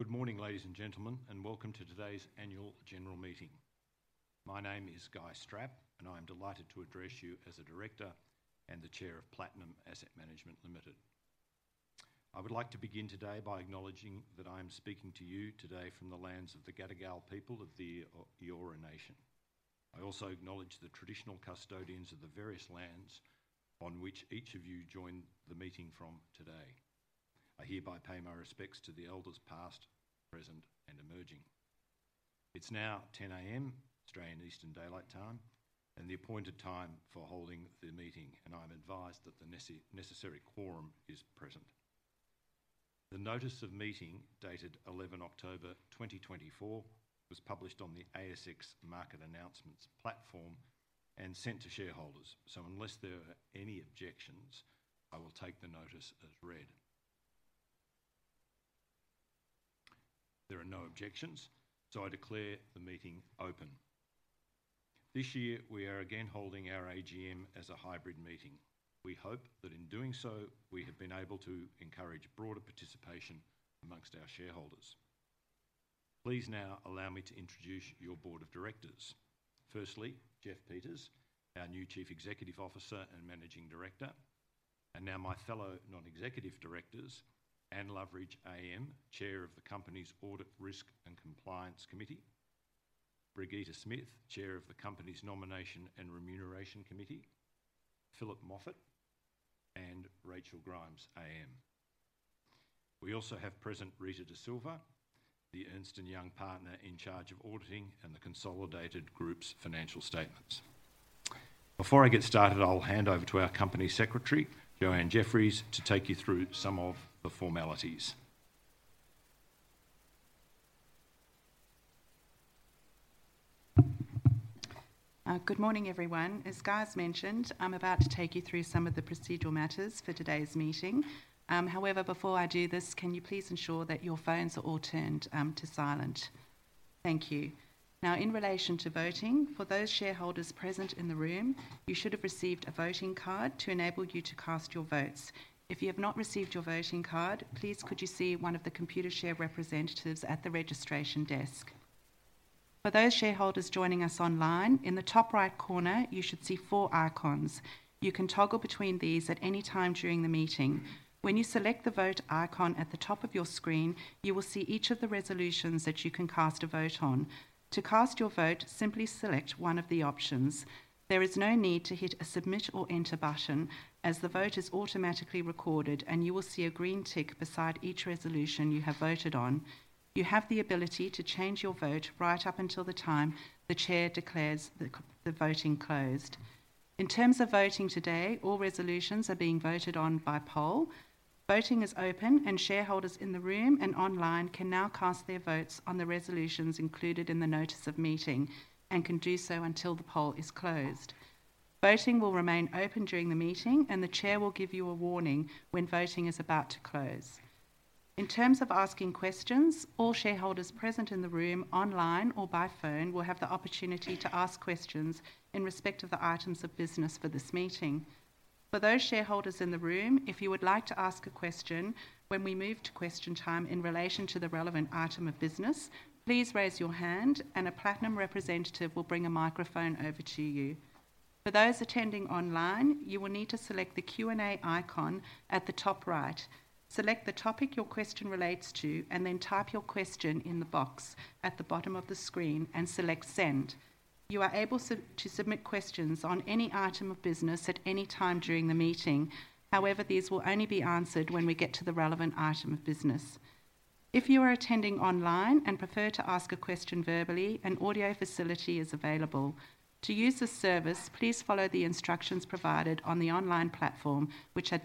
Good morning, ladies and gentlemen, and welcome to today's Annual General Meeting. My name is Guy Strapp, and I am delighted to address you as a director and the Chair of Platinum Asset Management Limited. I would like to begin today by acknowledging that I am speaking to you today from the lands of the Gadigal people of the Eora Nation. I also acknowledge the traditional custodians of the various lands on which each of you joined the meeting from today. I hereby pay my respects to the elders past, present, and emerging. It's now 10:00 A.M. Australian Eastern Daylight Time, and the appointed time for holding the meeting, and I'm advised that the necessary quorum is present. The notice of meeting dated 11 October 2024 was published on the ASX Market Announcements platform and sent to shareholders, so unless there are any objections, I will take the notice as read. There are no objections, so I declare the meeting open. This year we are again holding our AGM as a hybrid meeting. We hope that in doing so we have been able to encourage broader participation among our shareholders. Please now allow me to introduce your Board of Directors. Firstly, Jeff Peters, our new Chief Executive Officer and Managing Director, and now my fellow Non-Executive Directors, Anne Loveridge AM, Chair of the company's Audit, Risk, and Compliance Committee, Brigitte Smith, Chair of the company's Nomination and Remuneration Committee, Philip Moffat, and Rachel Grimes AM. We also have present Rita Da Silva, the Ernst & Young partner in charge of auditing and the Consolidated Group's financial statements. Before I get started, I'll hand over to our Company Secretary, Joanne Jefferies, to take you through some of the formalities. Good morning, everyone. As Guy's mentioned, I'm about to take you through some of the procedural matters for today's meeting. However, before I do this, can you please ensure that your phones are all turned to silent? Thank you. Now, in relation to voting, for those shareholders present in the room, you should have received a voting card to enable you to cast your votes. If you have not received your voting card, please could you see one of the Computershare representatives at the registration desk? For those shareholders joining us online, in the top right corner, you should see four icons. You can toggle between these at any time during the meeting. When you select the vote icon at the top of your screen, you will see each of the resolutions that you can cast a vote on. To cast your vote, simply select one of the options. There is no need to hit a submit or enter button, as the vote is automatically recorded, and you will see a green tick beside each resolution you have voted on. You have the ability to change your vote right up until the time the chair declares the voting closed. In terms of voting today, all resolutions are being voted on by poll. Voting is open, and shareholders in the room and online can now cast their votes on the resolutions included in the notice of meeting and can do so until the poll is closed. Voting will remain open during the meeting, and the chair will give you a warning when voting is about to close. In terms of asking questions, all shareholders present in the room, online or by phone, will have the opportunity to ask questions in respect of the items of business for this meeting. For those shareholders in the room, if you would like to ask a question when we move to question time in relation to the relevant item of business, please raise your hand, and a Platinum representative will bring a microphone over to you. For those attending online, you will need to select the Q&A icon at the top right. Select the topic your question relates to, and then type your question in the box at the bottom of the screen and select Send. You are able to submit questions on any item of business at any time during the meeting. However, these will only be answered when we get to the relevant item of business. If you are attending online and prefer to ask a question verbally, an audio facility is available. To use this service, please follow the instructions provided on the online platform, which are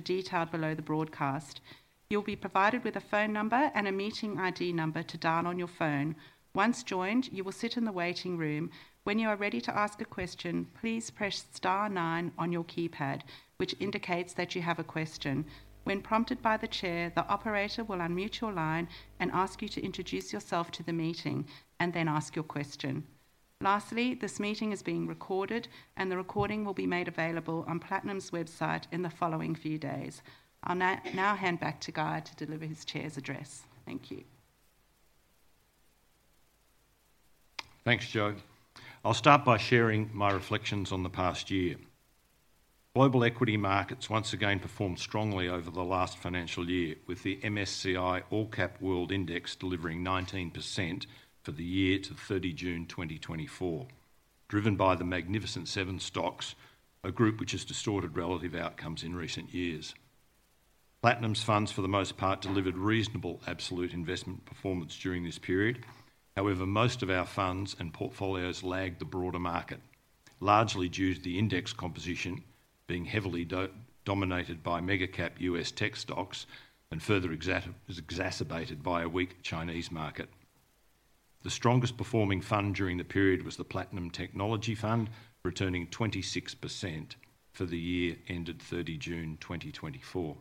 detailed below the broadcast. You'll be provided with a phone number and a meeting ID number to dial on your phone. Once joined, you will sit in the waiting room. When you are ready to ask a question, please press Star 9 on your keypad, which indicates that you have a question. When prompted by the Chair, the operator will unmute your line and ask you to introduce yourself to the meeting and then ask your question. Lastly, this meeting is being recorded, and the recording will be made available on Platinum's website in the following few days. I'll now hand back to Guy to deliver his Chair's address. Thank you. Thanks, Jo. I'll start by sharing my reflections on the past year. Global equity markets once again performed strongly over the last financial year, with the MSCI All Cap World Index delivering 19% for the year to 30 June 2024, driven by the Magnificent Seven stocks, a group which has distorted relative outcomes in recent years. Platinum's funds, for the most part, delivered reasonable absolute investment performance during this period. However, most of our funds and portfolios lagged the broader market, largely due to the index composition being heavily dominated by mega-cap US tech stocks and further exacerbated by a weak Chinese market. The strongest performing fund during the period was the Platinum Technology Fund, returning 26% for the year ended 30 June 2024.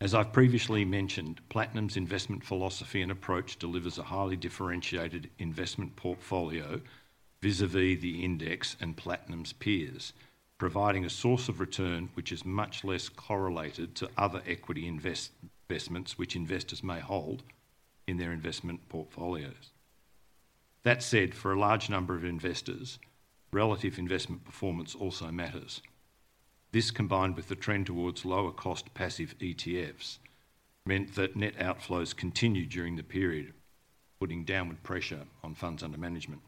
As I've previously mentioned, Platinum's investment philosophy and approach delivers a highly differentiated investment portfolio vis-à-vis the index and Platinum's peers, providing a source of return which is much less correlated to other equity investments which investors may hold in their investment portfolios. That said, for a large number of investors, relative investment performance also matters. This, combined with the trend towards lower-cost passive ETFs, meant that net outflows continued during the period, putting downward pressure on funds under management.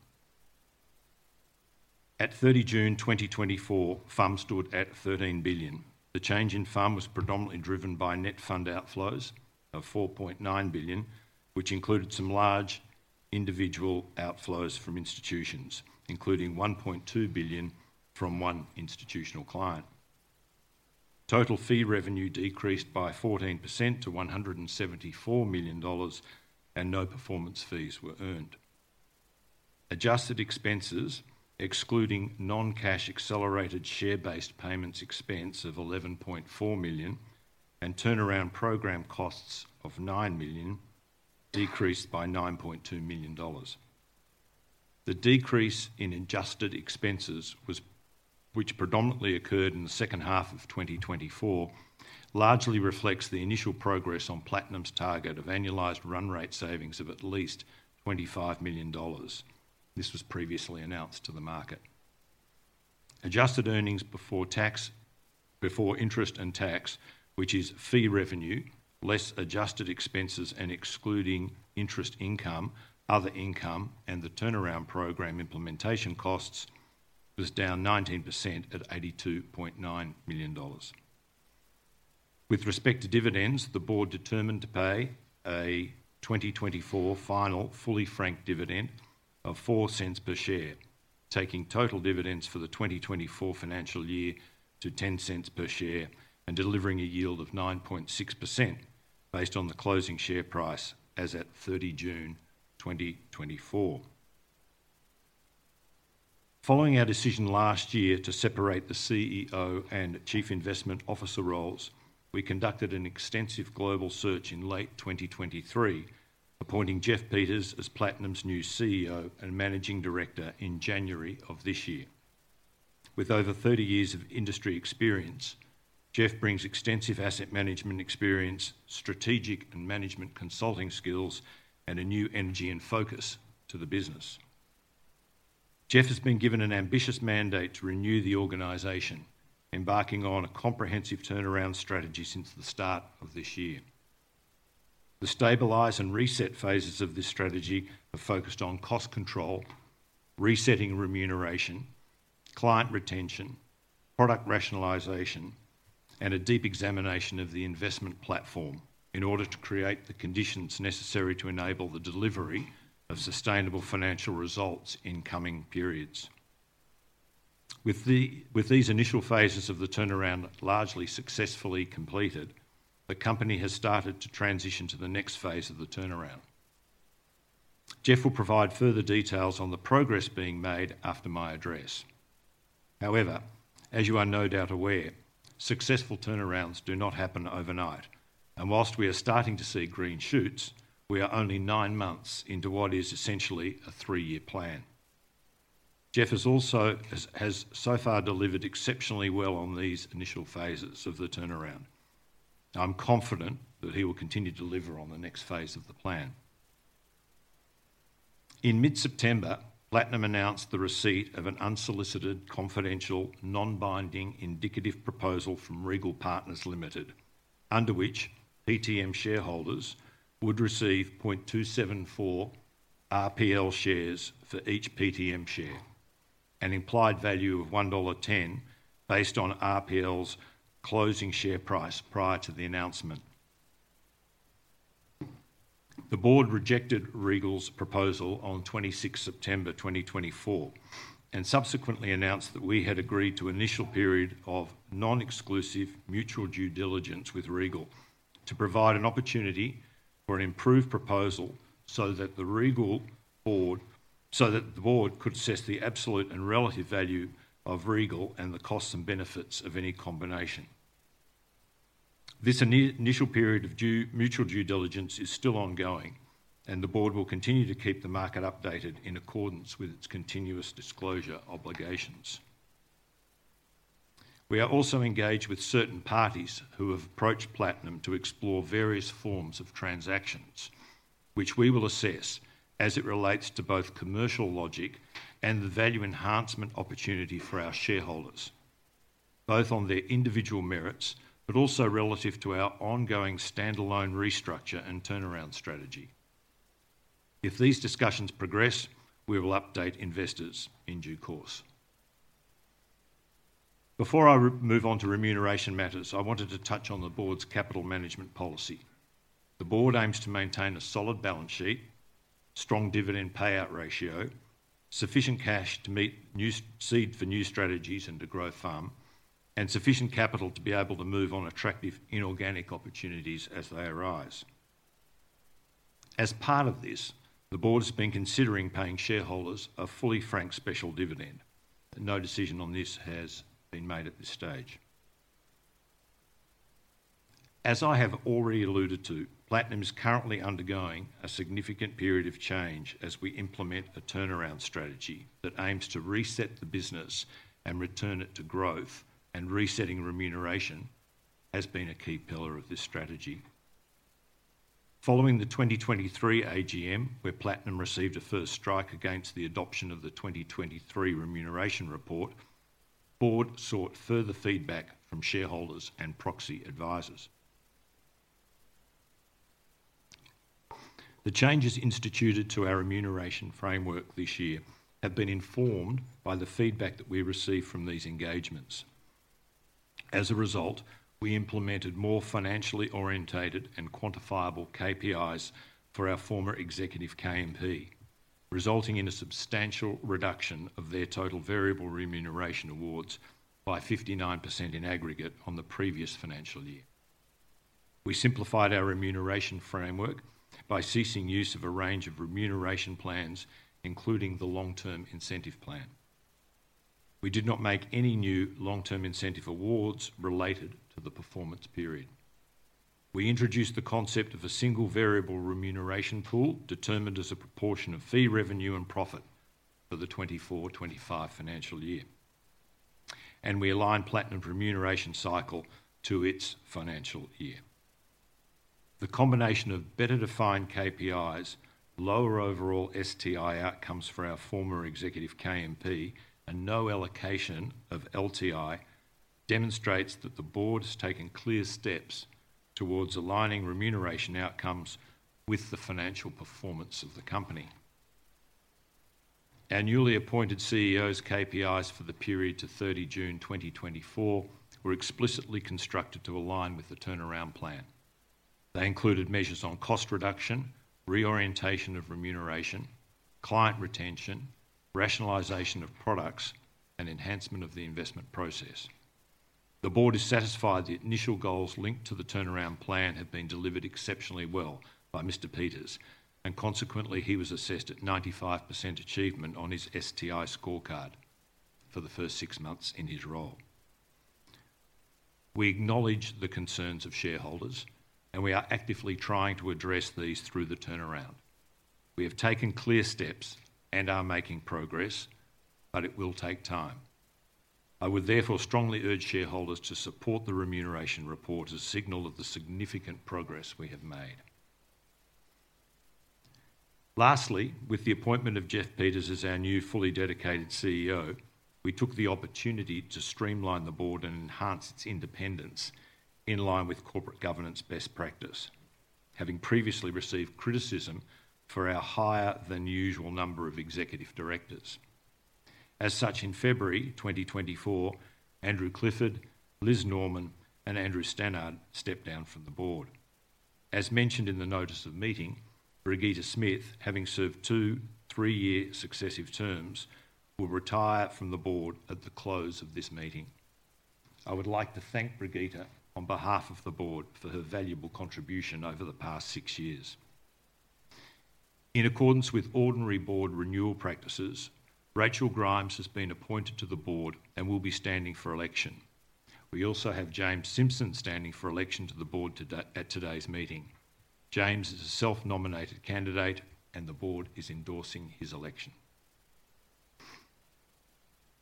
At 30 June 2024, funds stood at 13 billion. The change in funds was predominantly driven by net fund outflows of 4.9 billion, which included some large individual outflows from institutions, including 1.2 billion from one institutional client. Total fee revenue decreased by 14% to 174 million dollars, and no performance fees were earned. Adjusted expenses, excluding non-cash accelerated share-based payments expense of 11.4 million and turnaround program costs of 9 million, decreased by 9.2 million dollars. The decrease in adjusted expenses, which predominantly occurred in the second half of 2024, largely reflects the initial progress on Platinum's target of annualized run rate savings of at least 25 million dollars. This was previously announced to the market. Adjusted earnings before interest and tax, which is fee revenue less adjusted expenses and excluding interest income, other income, and the turnaround program implementation costs, was down 19% at 82.9 million dollars. With respect to dividends, the board determined to pay a 2024 final fully franked dividend of 0.04 per share, taking total dividends for the 2024 financial year to 0.10 per share and delivering a yield of 9.6% based on the closing share price as at 30 June 2024. Following our decision last year to separate the CEO and Chief Investment Officer roles, we conducted an extensive global search in late 2023, appointing Jeff Peters as Platinum's new CEO and Managing Director in January of this year. With over 30 years of industry experience, Jeff brings extensive asset management experience, strategic and management consulting skills, and a new energy and focus to the business. Jeff has been given an ambitious mandate to renew the organization, embarking on a comprehensive turnaround strategy since the start of this year. The stabilize and reset phases of this strategy are focused on cost control, resetting remuneration, client retention, product rationalization, and a deep examination of the investment platform in order to create the conditions necessary to enable the delivery of sustainable financial results in coming periods. With these initial phases of the turnaround largely successfully completed, the company has started to transition to the next phase of the turnaround. Jeff will provide further details on the progress being made after my address. However, as you are no doubt aware, successful turnarounds do not happen overnight, and while we are starting to see green shoots, we are only nine months into what is essentially a three-year plan. Jeff has also so far delivered exceptionally well on these initial phases of the turnaround. I'm confident that he will continue to deliver on the next phase of the plan. In mid-September, Platinum announced the receipt of an unsolicited, confidential, non-binding indicative proposal from Regal Partners Limited, under which PTM shareholders would receive 0.274 RPL shares for each PTM share, an implied value of 1.10 dollar based on RPL's closing share price prior to the announcement. The board rejected Regal's proposal on 26 September 2024 and subsequently announced that we had agreed to an initial period of non-exclusive mutual due diligence with Regal to provide an opportunity for an improved proposal so that the Regal board could assess the absolute and relative value of Regal and the costs and benefits of any combination. This initial period of mutual due diligence is still ongoing, and the board will continue to keep the market updated in accordance with its continuous disclosure obligations. We are also engaged with certain parties who have approached Platinum to explore various forms of transactions, which we will assess as it relates to both commercial logic and the value enhancement opportunity for our shareholders, both on their individual merits but also relative to our ongoing standalone restructure and turnaround strategy. If these discussions progress, we will update investors in due course. Before I move on to remuneration matters, I wanted to touch on the board's capital management policy. The board aims to maintain a solid balance sheet, strong dividend payout ratio, sufficient cash to meet new seed for new strategies and to grow fund, and sufficient capital to be able to move on attractive inorganic opportunities as they arise. As part of this, the board has been considering paying shareholders a fully franked special dividend. No decision on this has been made at this stage. As I have already alluded to, Platinum is currently undergoing a significant period of change as we implement a turnaround strategy that aims to reset the business and return it to growth, and resetting remuneration has been a key pillar of this strategy. Following the 2023 AGM, where Platinum received a first strike against the adoption of the 2023 remuneration report, the board sought further feedback from shareholders and proxy advisors. The changes instituted to our remuneration framework this year have been informed by the feedback that we received from these engagements. As a result, we implemented more financially oriented and quantifiable KPIs for our former executive KMP, resulting in a substantial reduction of their total variable remuneration awards by 59% in aggregate on the previous financial year. We simplified our remuneration framework by ceasing use of a range of remuneration plans, including the Long-Term Incentive Plan. We did not make any new Long-Term Incentive Awards related to the performance period. We introduced the concept of a single variable remuneration pool determined as a proportion of fee revenue and profit for the 2024-2025 financial year, and we aligned Platinum's remuneration cycle to its financial year. The combination of better-defined KPIs, lower overall STI outcomes for our former executive KMP, and no allocation of LTI demonstrates that the board has taken clear steps towards aligning remuneration outcomes with the financial performance of the company. Our newly appointed CEO's KPIs for the period to 30 June 2024 were explicitly constructed to align with the turnaround plan. They included measures on cost reduction, reorientation of remuneration, client retention, rationalization of products, and enhancement of the investment process. The board is satisfied the initial goals linked to the turnaround plan have been delivered exceptionally well by Mr. Peters, and consequently, he was assessed at 95% achievement on his STI scorecard for the first six months in his role. We acknowledge the concerns of shareholders, and we are actively trying to address these through the turnaround. We have taken clear steps and are making progress, but it will take time. I would therefore strongly urge shareholders to support the remuneration report as a signal of the significant progress we have made. Lastly, with the appointment of Jeff Peters as our new fully dedicated CEO, we took the opportunity to streamline the board and enhance its independence in line with corporate governance best practice, having previously received criticism for our higher-than-usual number of executive directors. As such, in February 2024, Andrew Clifford, Liz Norman, and Andrew Stannard stepped down from the board. As mentioned in the notice of meeting, Brigitte Smith, having served two three-year successive terms, will retire from the board at the close of this meeting. I would like to thank Brigitte on behalf of the board for her valuable contribution over the past six years. In accordance with ordinary board renewal practices, Rachel Grimes has been appointed to the board and will be standing for election. We also have James Simpson standing for election to the board at today's meeting. James is a self-nominated candidate, and the board is endorsing his election.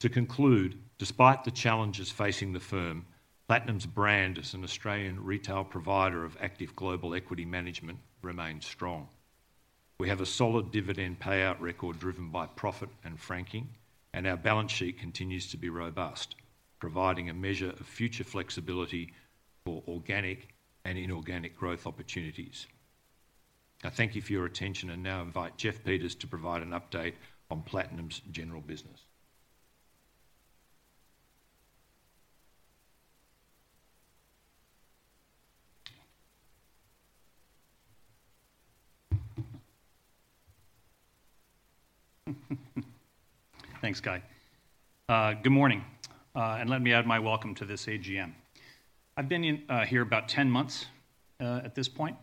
To conclude, despite the challenges facing the firm, Platinum's brand as an Australian retail provider of active global equity management remains strong. We have a solid dividend payout record driven by profit and franking, and our balance sheet continues to be robust, providing a measure of future flexibility for organic and inorganic growth opportunities. I thank you for your attention and now invite Jeff Peters to provide an update on Platinum's general business. Thanks, Guy. Good morning, and let me add my welcome to this AGM. I've been here about 10 months at this point,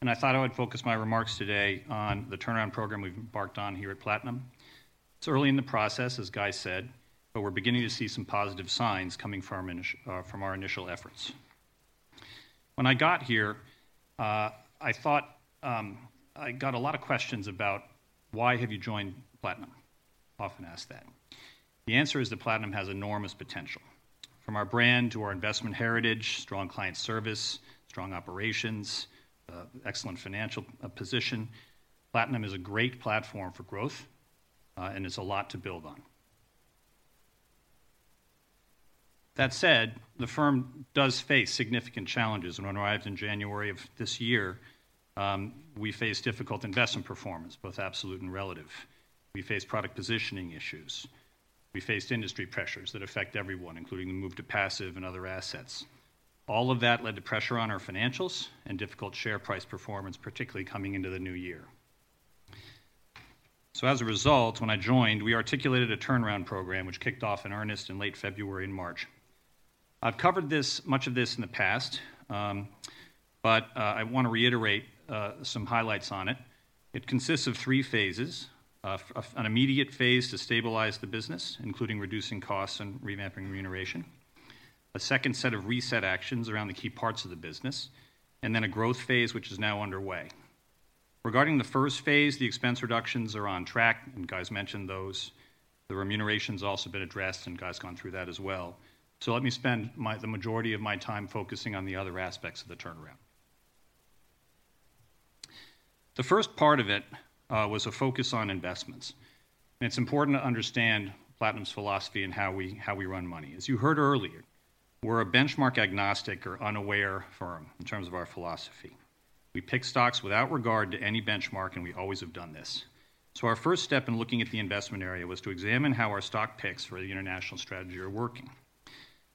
and I thought I would focus my remarks today on the turnaround program we've embarked on here at Platinum. It's early in the process, as Guy said, but we're beginning to see some positive signs coming from our initial efforts. When I got here, I thought I got a lot of questions about, "Why have you joined Platinum?" I'm often asked that. The answer is that Platinum has enormous potential. From our brand to our investment heritage, strong client service, strong operations, excellent financial position, Platinum is a great platform for growth, and it's a lot to build on. That said, the firm does face significant challenges. When I arrived in January of this year, we faced difficult investment performance, both absolute and relative. We faced product positioning issues. We faced industry pressures that affect everyone, including the move to passive and other assets. All of that led to pressure on our financials and difficult share price performance, particularly coming into the new year. So, as a result, when I joined, we articulated a turnaround program which kicked off in earnest in late February and March. I've covered much of this in the past, but I want to reiterate some highlights on it. It consists of three phases: an immediate phase to stabilize the business, including reducing costs and revamping remuneration, a second set of reset actions around the key parts of the business, and then a growth phase which is now underway. Regarding the first phase, the expense reductions are on track, and Guy's mentioned those. The remuneration's also been addressed, and Guy's gone through that as well. Let me spend the majority of my time focusing on the other aspects of the turnaround. The first part of it was a focus on investments. It's important to understand Platinum's philosophy and how we run money. As you heard earlier, we're a benchmark-agnostic or unaware firm in terms of our philosophy. We pick stocks without regard to any benchmark, and we always have done this. Our first step in looking at the investment area was to examine how our stock picks for the international strategy are working.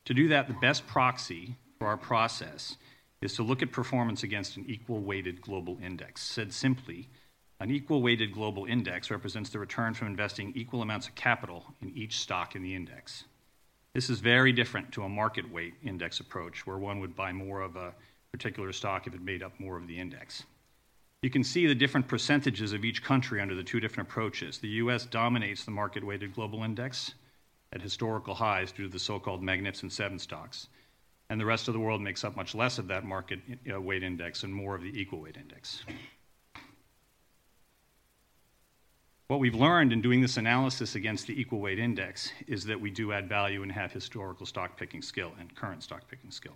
To do that, the best proxy for our process is to look at performance against an equal-weighted global index. Said simply, an equal-weighted global index represents the return from investing equal amounts of capital in each stock in the index. This is very different to a market-weighted index approach, where one would buy more of a particular stock if it made up more of the index. You can see the different percentages of each country under the two different approaches. The U.S. dominates the market-weighted global index at historical highs due to the so-called Magnificent Seven stocks, and the rest of the world makes up much less of that market-weighted index and more of the equal-weighted index. What we've learned in doing this analysis against the equal-weighted index is that we do add value and have historical stock-picking skill and current stock-picking skill.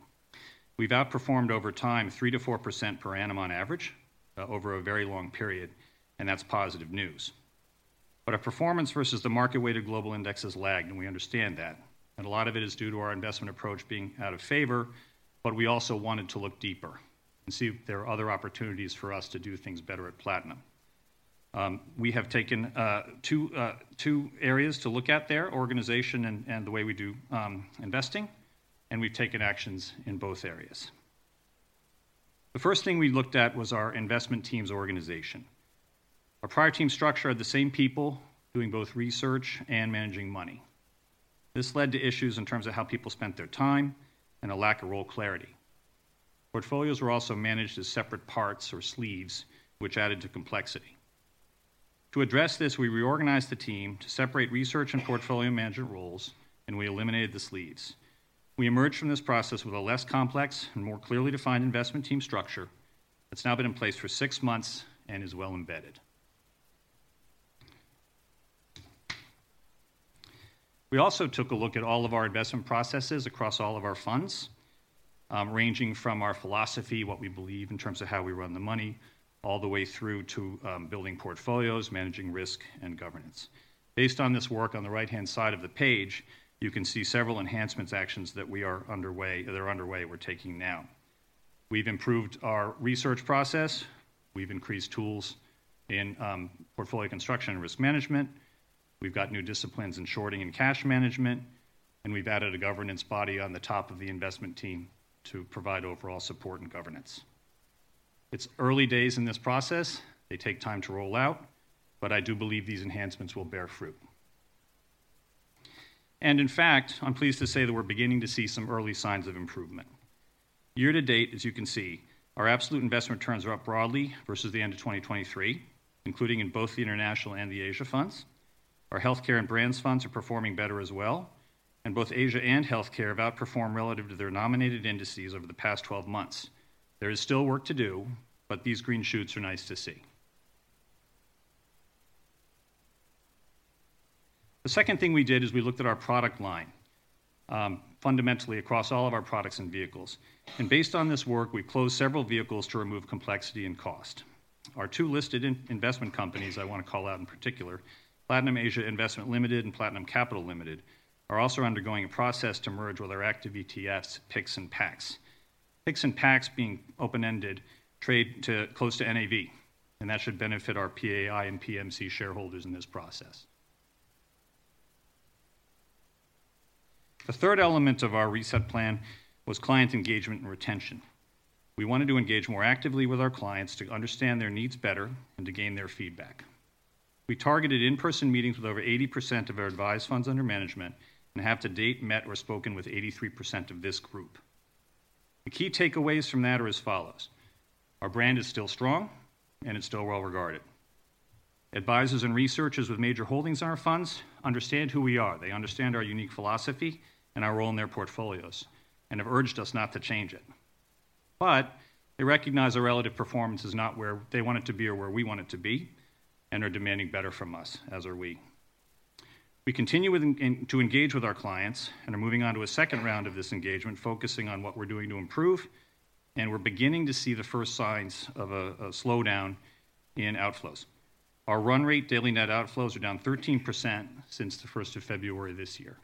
We've outperformed over time 3%-4% per annum on average over a very long period, and that's positive news. But our performance versus the market-weighted global index has lagged, and we understand that. And a lot of it is due to our investment approach being out of favor, but we also wanted to look deeper and see if there are other opportunities for us to do things better at Platinum. We have taken two areas to look at there: organization and the way we do investing, and we've taken actions in both areas. The first thing we looked at was our investment team's organization. Our prior team structure had the same people doing both research and managing money. This led to issues in terms of how people spent their time and a lack of role clarity. Portfolios were also managed as separate parts or sleeves, which added to complexity. To address this, we reorganized the team to separate research and portfolio management roles, and we eliminated the sleeves. We emerged from this process with a less complex and more clearly defined investment team structure that's now been in place for six months and is well embedded. We also took a look at all of our investment processes across all of our funds, ranging from our philosophy, what we believe in terms of how we run the money, all the way through to building portfolios, managing risk, and governance. Based on this work on the right-hand side of the page, you can see several enhancement actions that we're taking now. We've improved our research process. We've increased tools in portfolio construction and risk management. We've got new disciplines in shorting and cash management, and we've added a governance body on the top of the investment team to provide overall support and governance. It's early days in this process. They take time to roll out, but I do believe these enhancements will bear fruit, and in fact, I'm pleased to say that we're beginning to see some early signs of improvement. Year to date, as you can see, our absolute investment returns are up broadly versus the end of 2023, including in both the international and the Asia funds. Our healthcare and brands funds are performing better as well, and both Asia and healthcare have outperformed relative to their nominated indices over the past 12 months. There is still work to do, but these green shoots are nice to see. The second thing we did is we looked at our product line, fundamentally across all of our products and vehicles, and based on this work, we closed several vehicles to remove complexity and cost. Our two listed investment companies I want to call out in particular, Platinum Asia Investments Limited and Platinum Capital Limited, are also undergoing a process to merge with our active ETFs, PIXX, and PAXX. PIXX and PAXX, being open-ended, trade close to NAV, and that should benefit our PAI and PMC shareholders in this process. The third element of our reset plan was client engagement and retention. We wanted to engage more actively with our clients to understand their needs better and to gain their feedback. We targeted in-person meetings with over 80% of our advised funds under management and have to date met or spoken with 83% of this group. The key takeaways from that are as follows: our brand is still strong, and it's still well regarded. Advisors and researchers with major holdings on our funds understand who we are. They understand our unique philosophy and our role in their portfolios and have urged us not to change it. But they recognize our relative performance is not where they want it to be or where we want it to be and are demanding better from us, as are we. We continue to engage with our clients and are moving on to a second round of this engagement, focusing on what we're doing to improve, and we're beginning to see the first signs of a slowdown in outflows. Our run rate daily net outflows are down 13% since the 1st of February this year.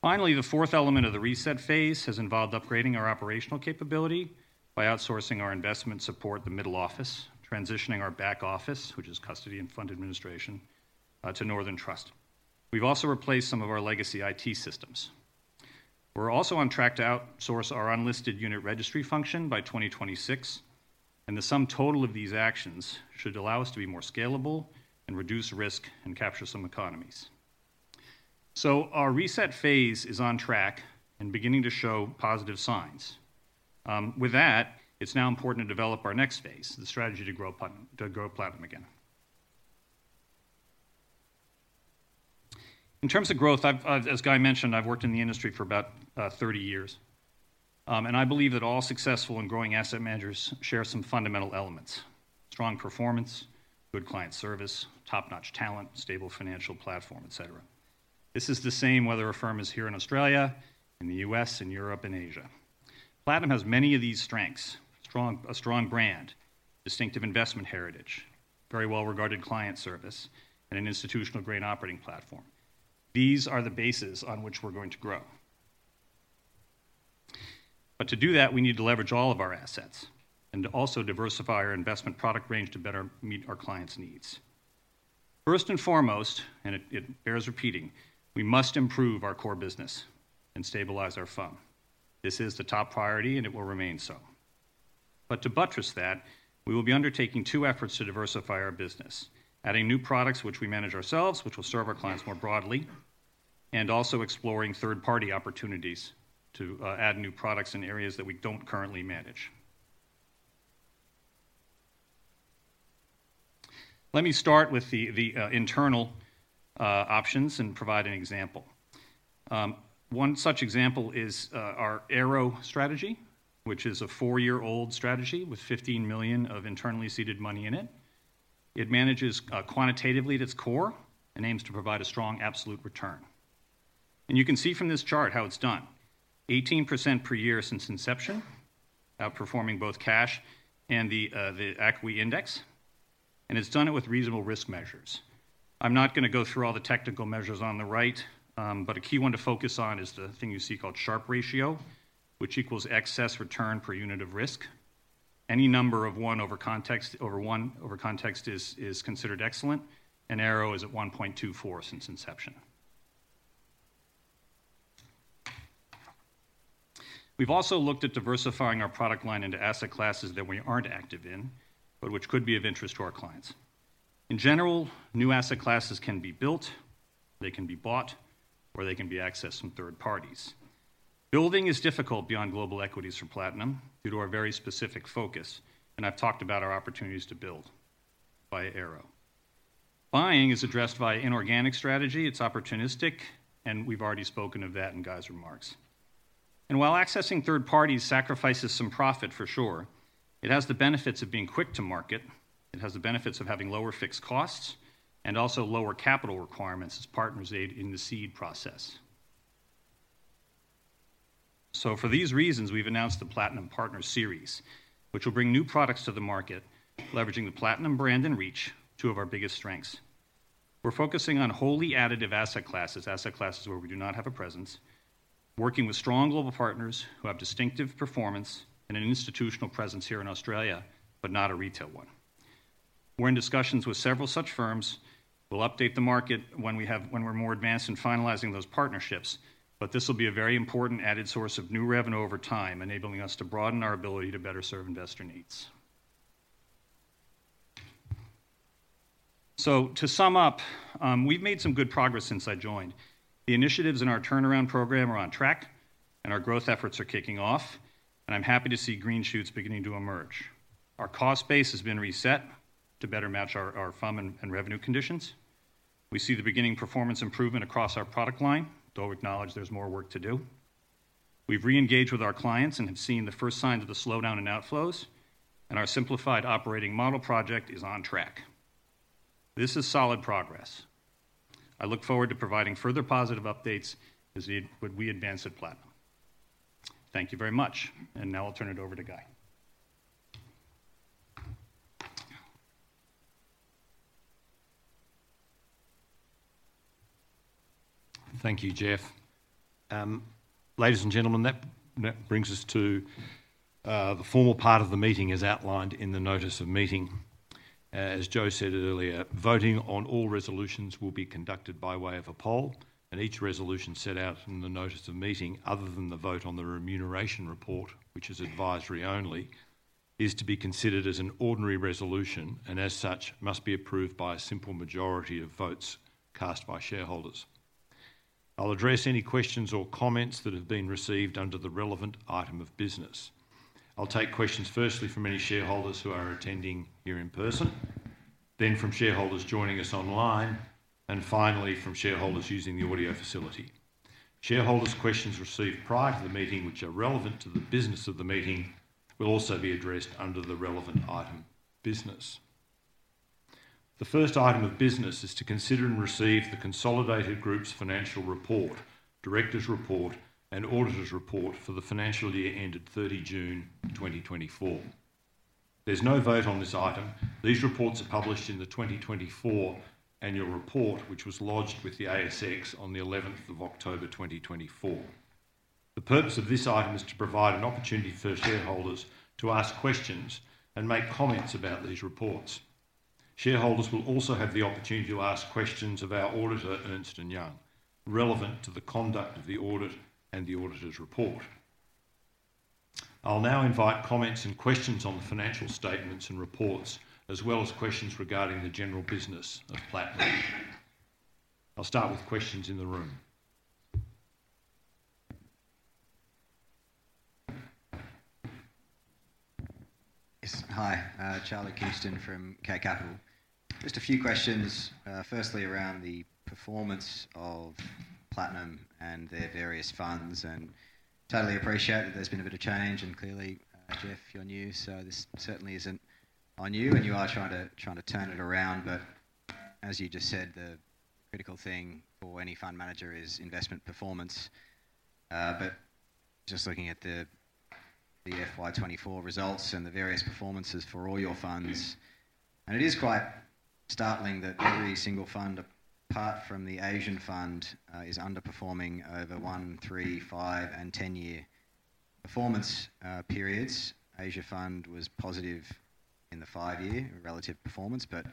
Finally, the fourth element of the reset phase has involved upgrading our operational capability by outsourcing our investment support, the middle office, transitioning our back office, which is custody and fund administration, to Northern Trust. We've also replaced some of our legacy IT systems. We're also on track to outsource our unlisted unit registry function by 2026, and the sum total of these actions should allow us to be more scalable and reduce risk and capture some economies. So, our reset phase is on track and beginning to show positive signs. With that, it's now important to develop our next phase, the strategy to grow Platinum again. In terms of growth, as Guy mentioned, I've worked in the industry for about 30 years, and I believe that all successful and growing asset managers share some fundamental elements: strong performance, good client service, top-notch talent, stable financial platform, etc. This is the same whether a firm is here in Australia, in the U.S., in Europe, in Asia. Platinum has many of these strengths: a strong brand, distinctive investment heritage, very well-regarded client service, and an institutional-grade operating platform. These are the bases on which we're going to grow. But to do that, we need to leverage all of our assets and to also diversify our investment product range to better meet our clients' needs. First and foremost, and it bears repeating, we must improve our core business and stabilize our fund. This is the top priority, and it will remain so. But to buttress that, we will be undertaking two efforts to diversify our business: adding new products, which we manage ourselves, which will serve our clients more broadly, and also exploring third-party opportunities to add new products in areas that we don't currently manage. Let me start with the internal options and provide an example. One such example is our Arrow Strategy, which is a four-year-old strategy with 15 million of internally seeded money in it. It manages quantitatively at its core and aims to provide a strong absolute return, and you can see from this chart how it's done: 18% per year since inception, outperforming both cash and the equity index, and it's done it with reasonable risk measures. I'm not going to go through all the technical measures on the right, but a key one to focus on is the thing you see called Sharpe ratio, which equals excess return per unit of risk. Any number over one is considered excellent, and Arrow is at 1.24 since inception. We've also looked at diversifying our product line into asset classes that we aren't active in, but which could be of interest to our clients. In general, new asset classes can be built, they can be bought, or they can be accessed from third parties. Building is difficult beyond global equities for Platinum due to our very specific focus, and I've talked about our opportunities to build by Arrow. Buying is addressed by an organic strategy. It's opportunistic, and we've already spoken of that in Guy's remarks, and while accessing third parties sacrifices some profit for sure, it has the benefits of being quick to market. It has the benefits of having lower fixed costs and also lower capital requirements as partners aid in the seed process, so, for these reasons, we've announced the Platinum Partner Series, which will bring new products to the market, leveraging the Platinum brand and reach, two of our biggest strengths. We're focusing on wholly additive asset classes, asset classes where we do not have a presence, working with strong global partners who have distinctive performance and an institutional presence here in Australia, but not a retail one. We're in discussions with several such firms. We'll update the market when we're more advanced in finalizing those partnerships, but this will be a very important added source of new revenue over time, enabling us to broaden our ability to better serve investor needs. So, to sum up, we've made some good progress since I joined. The initiatives in our turnaround program are on track, and our growth efforts are kicking off, and I'm happy to see green shoots beginning to emerge. Our cost base has been reset to better match our fund and revenue conditions. We see the beginning performance improvement across our product line, though we acknowledge there's more work to do. We've re-engaged with our clients and have seen the first signs of the slowdown in outflows, and our simplified operating model project is on track. This is solid progress. I look forward to providing further positive updates as we advance at Platinum. Thank you very much, and now I'll turn it over to Guy. Thank you, Jeff. Ladies and gentlemen, that brings us to the formal part of the meeting as outlined in the notice of meeting. As Jo said earlier, voting on all resolutions will be conducted by way of a poll, and each resolution set out in the notice of meeting, other than the vote on the remuneration report, which is advisory only, is to be considered as an ordinary resolution and, as such, must be approved by a simple majority of votes cast by shareholders. I'll address any questions or comments that have been received under the relevant item of business. I'll take questions firstly from any shareholders who are attending here in person, then from shareholders joining us online, and finally from shareholders using the audio facility. Shareholders' questions received prior to the meeting, which are relevant to the business of the meeting, will also be addressed under the relevant item of business. The first item of business is to consider and receive the consolidated group's financial report, director's report, and auditor's report for the financial year ended 30 June 2024. There's no vote on this item. These reports are published in the 2024 annual report, which was lodged with the ASX on the 11th of October 2024. The purpose of this item is to provide an opportunity for shareholders to ask questions and make comments about these reports. Shareholders will also have the opportunity to ask questions of our auditor, Ernst & Young, relevant to the conduct of the audit and the auditor's report. I'll now invite comments and questions on the financial statements and reports, as well as questions regarding the general business of Platinum. I'll start with questions in the room. Yes. Hi, Charlie Kingston from K Capital. Just a few questions, firstly around the performance of Platinum and their various funds, and totally appreciate that there's been a bit of change, and clearly, Jeff, you're new, so this certainly isn't on you, and you are trying to turn it around, but as you just said, the critical thing for any fund manager is investment performance, but just looking at the FY24 results and the various performances for all your funds, and it is quite startling that every single fund, apart from the Asian fund, is underperforming over one, three, five, and ten-year performance periods. Asia Fund was positive in the five-year relative performance, but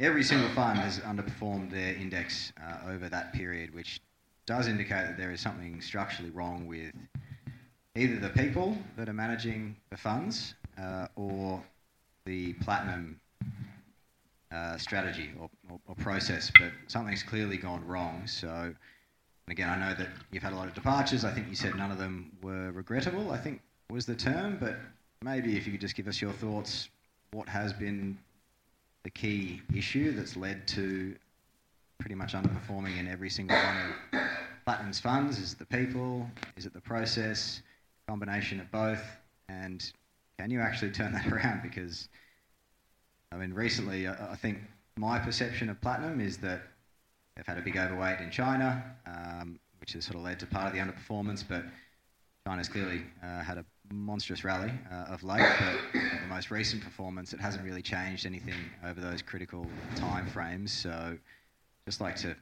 every single fund has underperformed their index over that period, which does indicate that there is something structurally wrong with either the people that are managing the funds or the Platinum strategy or process, but something's clearly gone wrong, so again, I know that you've had a lot of departures. I think you said none of them were regrettable, I think was the term, but maybe if you could just give us your thoughts, what has been the key issue that's led to pretty much underperforming in every single one of Platinum's funds? Is it the people? Is it the process? Combination of both? And can you actually turn that around? Because, I mean, recently, I think my perception of Platinum is that they've had a big overweight in China, which has sort of led to part of the underperformance, but China's clearly had a monstrous rally of late. But the most recent performance, it hasn't really changed anything over those critical time frames. So, just like to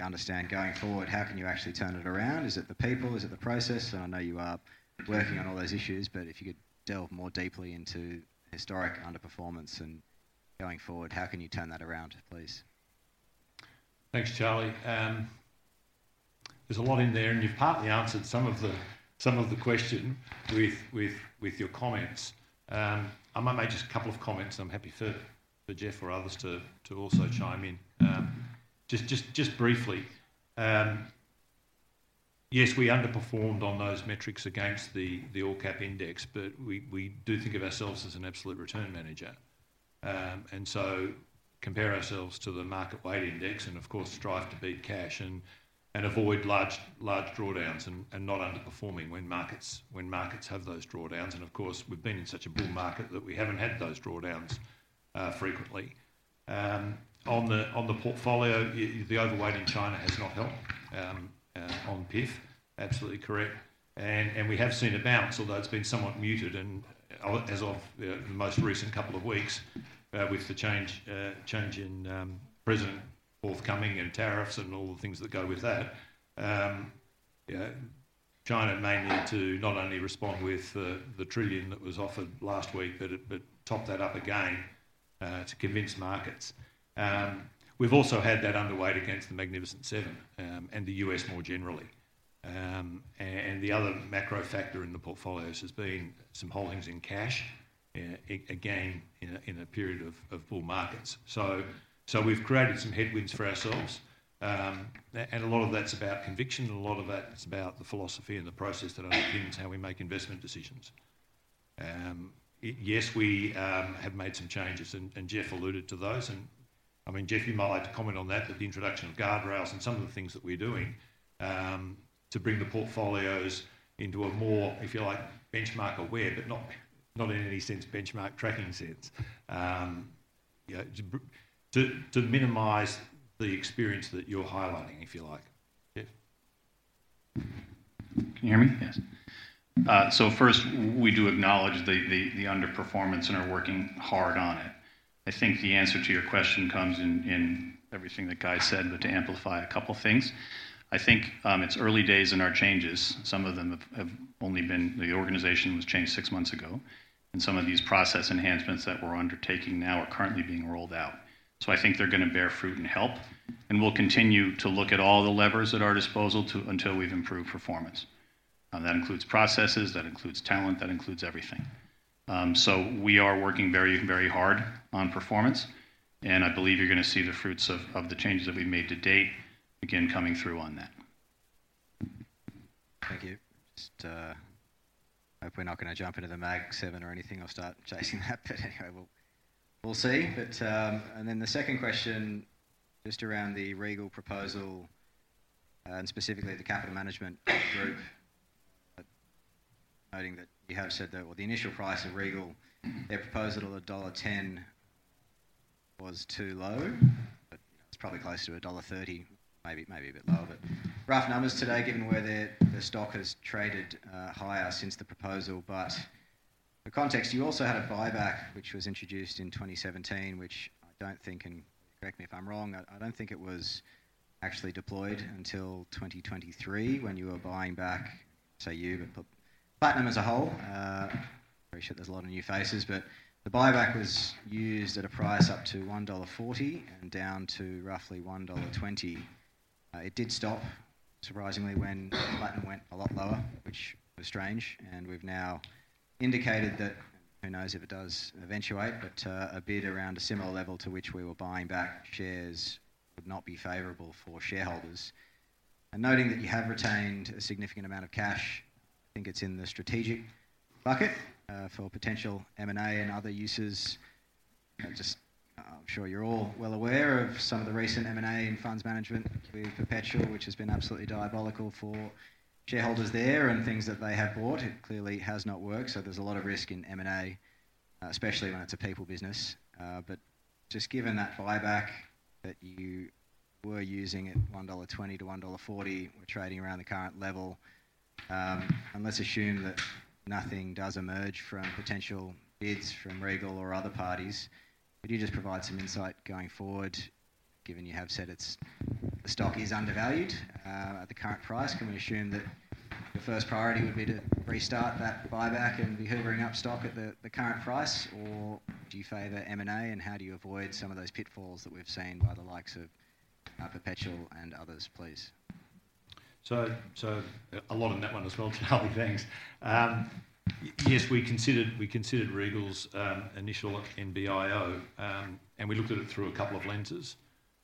understand going forward, how can you actually turn it around? Is it the people? Is it the process? And I know you are working on all those issues, but if you could delve more deeply into historic underperformance and going forward, how can you turn that around, please? Thanks, Charlie. There's a lot in there, and you've partly answered some of the question with your comments. I might make just a couple of comments, and I'm happy for Jeff or others to also chime in. Just briefly, yes, we underperformed on those metrics against the all-cap index, but we do think of ourselves as an absolute return manager. And so, compare ourselves to the market weight index and, of course, strive to beat cash and avoid large drawdowns and not underperforming when markets have those drawdowns. And, of course, we've been in such a bull market that we haven't had those drawdowns frequently. On the portfolio, the overweight in China has not helped on PIF, absolutely correct. And we have seen a bounce, although it's been somewhat muted as of the most recent couple of weeks with the change in president forthcoming and tariffs and all the things that go with that. China mainly to not only respond with the trillion that was offered last week, but top that up again to convince markets. We've also had that underweight against the Magnificent Seven and the U.S. more generally. And the other macro factor in the portfolios has been some holdings in cash, again, in a period of bull markets. So, we've created some headwinds for ourselves, and a lot of that's about conviction, and a lot of that's about the philosophy and the process that underpins how we make investment decisions. Yes, we have made some changes, and Jeff alluded to those. I mean, Jeff, you might like to comment on that, the introduction of guardrails and some of the things that we're doing to bring the portfolios into a more, if you like, benchmark aware, but not in any sense benchmark tracking sense, to minimize the experience that you're highlighting, if you like. Jeff. Can you hear me? Yes. So, first, we do acknowledge the underperformance and are working hard on it. I think the answer to your question comes in everything that Guy said, but to amplify a couple of things, I think it's early days in our changes. Some of them have only been the organization was changed six months ago, and some of these process enhancements that we're undertaking now are currently being rolled out. So, I think they're going to bear fruit and help, and we'll continue to look at all the levers at our disposal until we've improved performance. That includes processes, that includes talent, that includes everything. So, we are working very, very hard on performance, and I believe you're going to see the fruits of the changes that we've made to date, again, coming through on that. Thank you. I hope we're not going to jump into the Mag Seven or anything. I'll start chasing that, but anyway, we'll see. Then the second question just around the Regal proposal and specifically the capital management group, noting that you have said that, well, the initial price of Regal, their proposal at dollar 1.10 was too low, but it's probably close to dollar 1.30, maybe a bit lower, but rough numbers today given where the stock has traded higher since the proposal. For context, you also had a buyback, which was introduced in 2017, which I don't think, and correct me if I'm wrong, I don't think it was actually deployed until 2023 when you were buying back, say you, but Platinum as a whole. I'm pretty sure there's a lot of new faces, but the buyback was used at a price up to 1.40 dollar and down to roughly 1.20 dollar. It did stop, surprisingly, when Platinum went a lot lower, which was strange, and we've now indicated that, who knows if it does eventuate, but a bid around a similar level to which we were buying back shares would not be favorable for shareholders, and noting that you have retained a significant amount of cash, I think it's in the strategic bucket for potential M&A and other uses. Just, I'm sure you're all well aware of some of the recent M&A in funds management with Perpetual, which has been absolutely diabolical for shareholders there and things that they have bought. It clearly has not worked, so there's a lot of risk in M&A, especially when it's a people business. But just given that buyback that you were using at 1.20-1.40 dollar, we're trading around the current level, and let's assume that nothing does emerge from potential bids from Regal Partners or other parties. Could you just provide some insight going forward, given you have said the stock is undervalued at the current price? Can we assume that your first priority would be to restart that buyback and be hoovering up stock at the current price, or do you favor M&A and how do you avoid some of those pitfalls that we've seen by the likes of Perpetual and others, please? So, a lot on that one as well, Charlie, thanks. Yes, we considered Regal's initial non-binding indicative proposal, and we looked at it through a couple of lenses.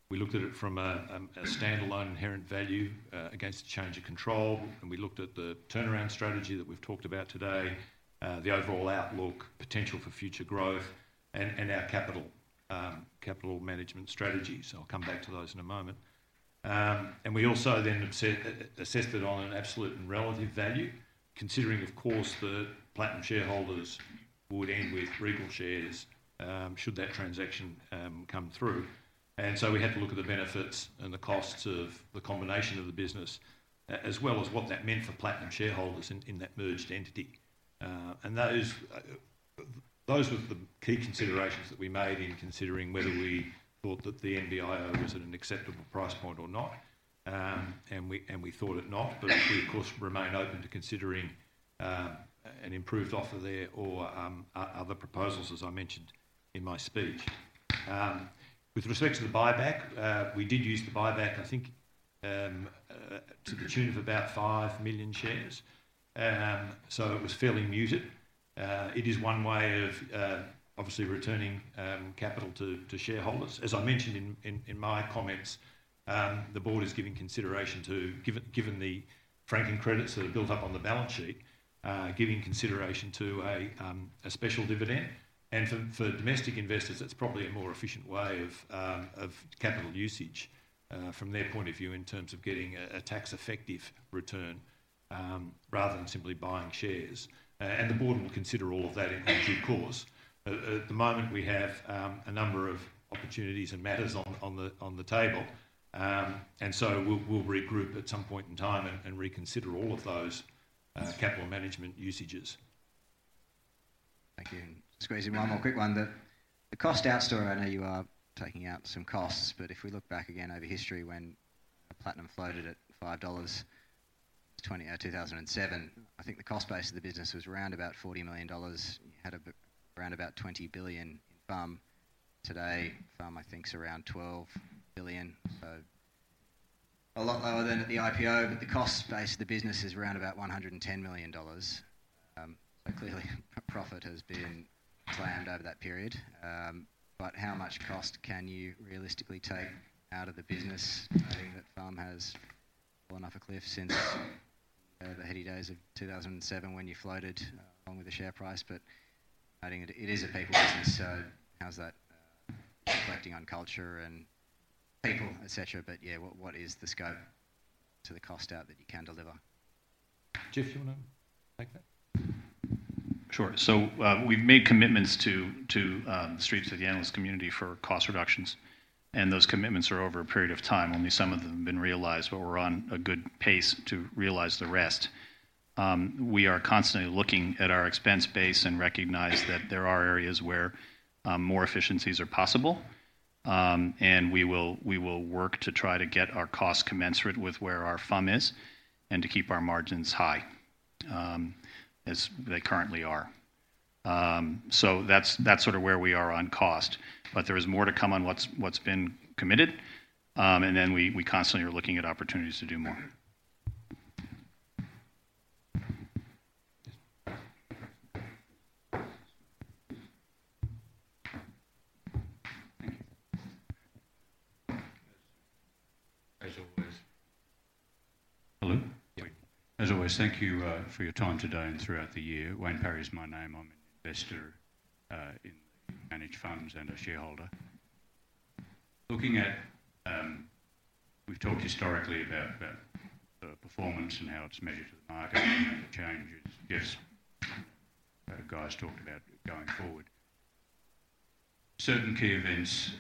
We looked at it from a standalone inherent value against a change of control, and we looked at the turnaround strategy that we've talked about today, the overall outlook, potential for future growth, and our capital management strategy. So, I'll come back to those in a moment. And we also then assessed it on an absolute and relative value, considering, of course, that Platinum shareholders would end with Regal shares should that transaction come through. And so, we had to look at the benefits and the costs of the combination of the business, as well as what that meant for Platinum shareholders in that merged entity. Those were the key considerations that we made in considering whether we thought that the NBIO was at an acceptable price point or not, and we thought it not, but we, of course, remain open to considering an improved offer there or other proposals, as I mentioned in my speech. With respect to the buyback, we did use the buyback, I think, to the tune of about five million shares, so it was fairly muted. It is one way of obviously returning capital to shareholders. As I mentioned in my comments, the board is giving consideration to, given the franking credits that are built up on the balance sheet, giving consideration to a special dividend. For domestic investors, it's probably a more efficient way of capital usage from their point of view in terms of getting a tax-effective return rather than simply buying shares. And the board will consider all of that in due course. At the moment, we have a number of opportunities and matters on the table, and so we'll regroup at some point in time and reconsider all of those capital management usages. Thank you. Just going to ask you one more quick one. The cost structure, I know you are taking out some costs, but if we look back again over history when Platinum floated at 5 dollars in 2007, I think the cost base of the business was around about 40 million dollars. You had around about 20 billion in FUM. Today, FUM, I think, is around 12 billion, so a lot lower than at the IPO, but the cost base of the business is around about 110 million dollars. Clearly, profit has been slammed over that period, but how much cost can you realistically take out of the business? I think that FUM has fallen off a cliff since the heady days of 2007 when you floated along with the share price, but I think it is a people business, so how's that reflecting on culture and people, etc.? But yeah, what is the scope of the cost-out that you can deliver? Jeff, do you want to take that? Sure. So, we've made commitments to the streets of the analyst community for cost reductions, and those commitments are over a period of time. Only some of them have been realized, but we're on a good pace to realize the rest. We are constantly looking at our expense base and recognize that there are areas where more efficiencies are possible, and we will work to try to get our cost commensurate with where our FUM is and to keep our margins high as they currently are. So, that's sort of where we are on cost, but there is more to come on what's been committed, and then we constantly are looking at opportunities to do more. As always. Hello? Yeah. As always, thank you for your time today and throughout the year. Wayne Perry is my name. I'm an investor in managed funds and a shareholder. Looking at, we've talked historically about the performance and how it's measured to the market and changes. Yes, Guy's talked about going forward. Certain key events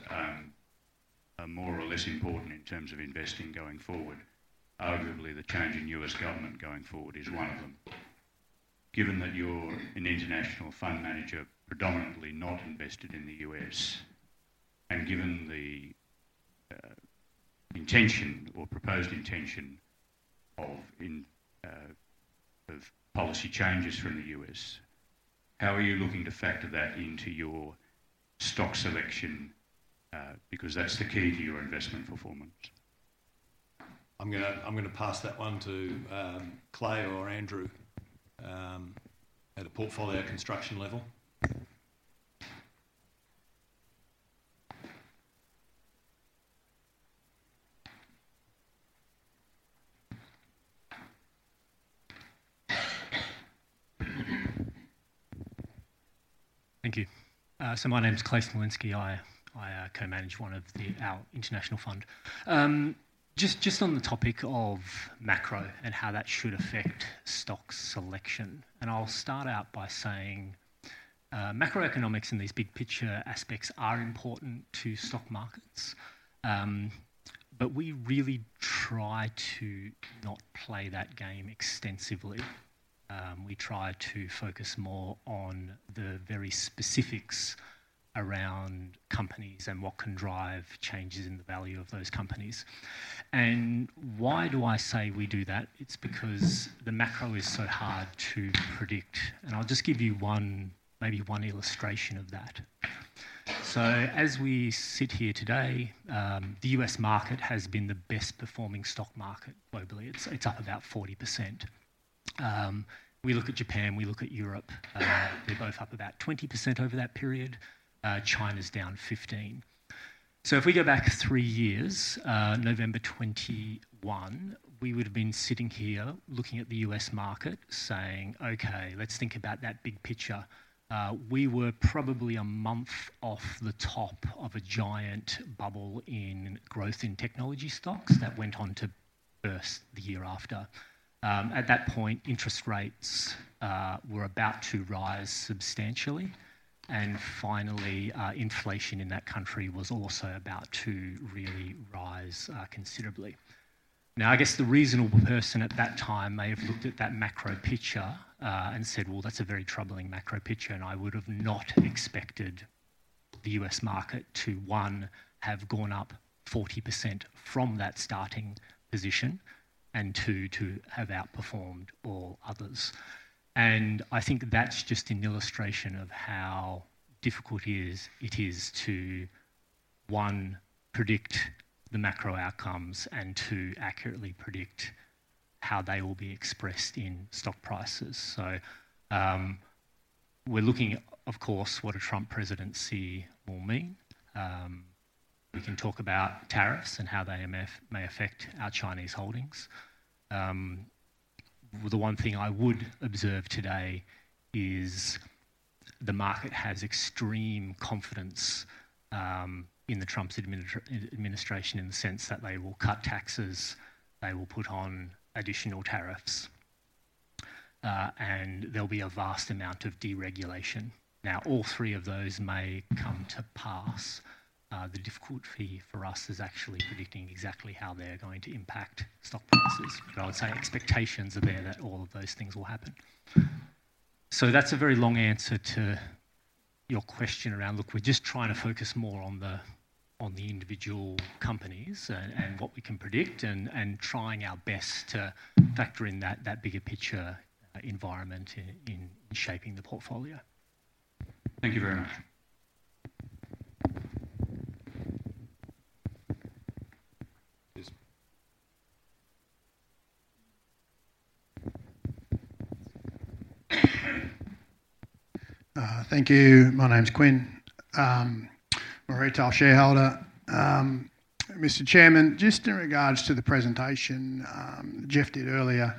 are more or less important in terms of investing going forward. Arguably, the change in U.S. government going forward is one of them. Given that you're an international fund manager predominantly not invested in the U.S. and given the intention or proposed intention of policy changes from the U.S., how are you looking to factor that into your stock selection? Because that's the key to your investment performance. I'm going to pass that one to Clay or Andrew at a portfolio construction level. Thank you. My name's Clay Smolinski. I co-manage one of our international funds. Just on the topic of macro and how that should affect stock selection, and I'll start out by saying macroeconomics and these big picture aspects are important to stock markets, but we really try to not play that game extensively. We try to focus more on the very specifics around companies and what can drive changes in the value of those companies. Why do I say we do that? It's because the macro is so hard to predict, and I'll just give you maybe one illustration of that. As we sit here today, the US market has been the best performing stock market globally. It's up about 40%. We look at Japan. We look at Europe. They're both up about 20% over that period. China's down 15%. So, if we go back three years, November 2021, we would have been sitting here looking at the U.S. market, saying, "Okay, let's think about that big picture." We were probably a month off the top of a giant bubble in growth in technology stocks that went on to burst the year after. At that point, interest rates were about to rise substantially, and finally, inflation in that country was also about to really rise considerably. Now, I guess the reasonable person at that time may have looked at that macro picture and said, "Well, that's a very troubling macro picture," and I would have not expected the U.S. market to, one, have gone up 40% from that starting position, and two, to have outperformed all others. I think that's just an illustration of how difficult it is to, one, predict the macro outcomes and two, accurately predict how they will be expressed in stock prices. So, we're looking, of course, at what a Trump presidency will mean. We can talk about tariffs and how they may affect our Chinese holdings. The one thing I would observe today is the market has extreme confidence in the Trump administration in the sense that they will cut taxes, they will put on additional tariffs, and there'll be a vast amount of deregulation. Now, all three of those may come to pass. The difficulty for us is actually predicting exactly how they're going to impact stock prices, but I would say expectations are there that all of those things will happen. That's a very long answer to your question around, look, we're just trying to focus more on the individual companies and what we can predict and trying our best to factor in that bigger picture environment in shaping the portfolio. Thank you very much. Thank you. My name's Quinn. I'm a retail shareholder. Mr. Chairman, just in regards to the presentation Jeff did earlier,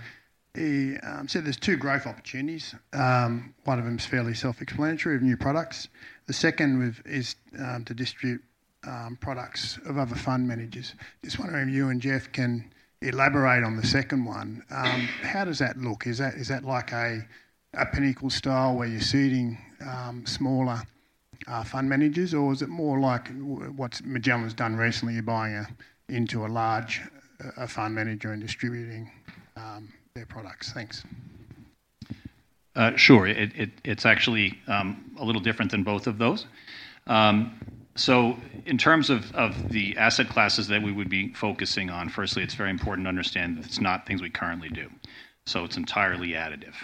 he said there's two growth opportunities. One of them is fairly self-explanatory of new products. The second is to distribute products of other fund managers. Just wondering if you and Jeff can elaborate on the second one. How does that look? Is that like a Pinnacle style where you're seeding smaller fund managers, or is it more like what Magellan's done recently? You're buying into a large fund manager and distributing their products. Thanks. Sure. It's actually a little different than both of those. So, in terms of the asset classes that we would be focusing on, firstly, it's very important to understand that it's not things we currently do, so it's entirely additive.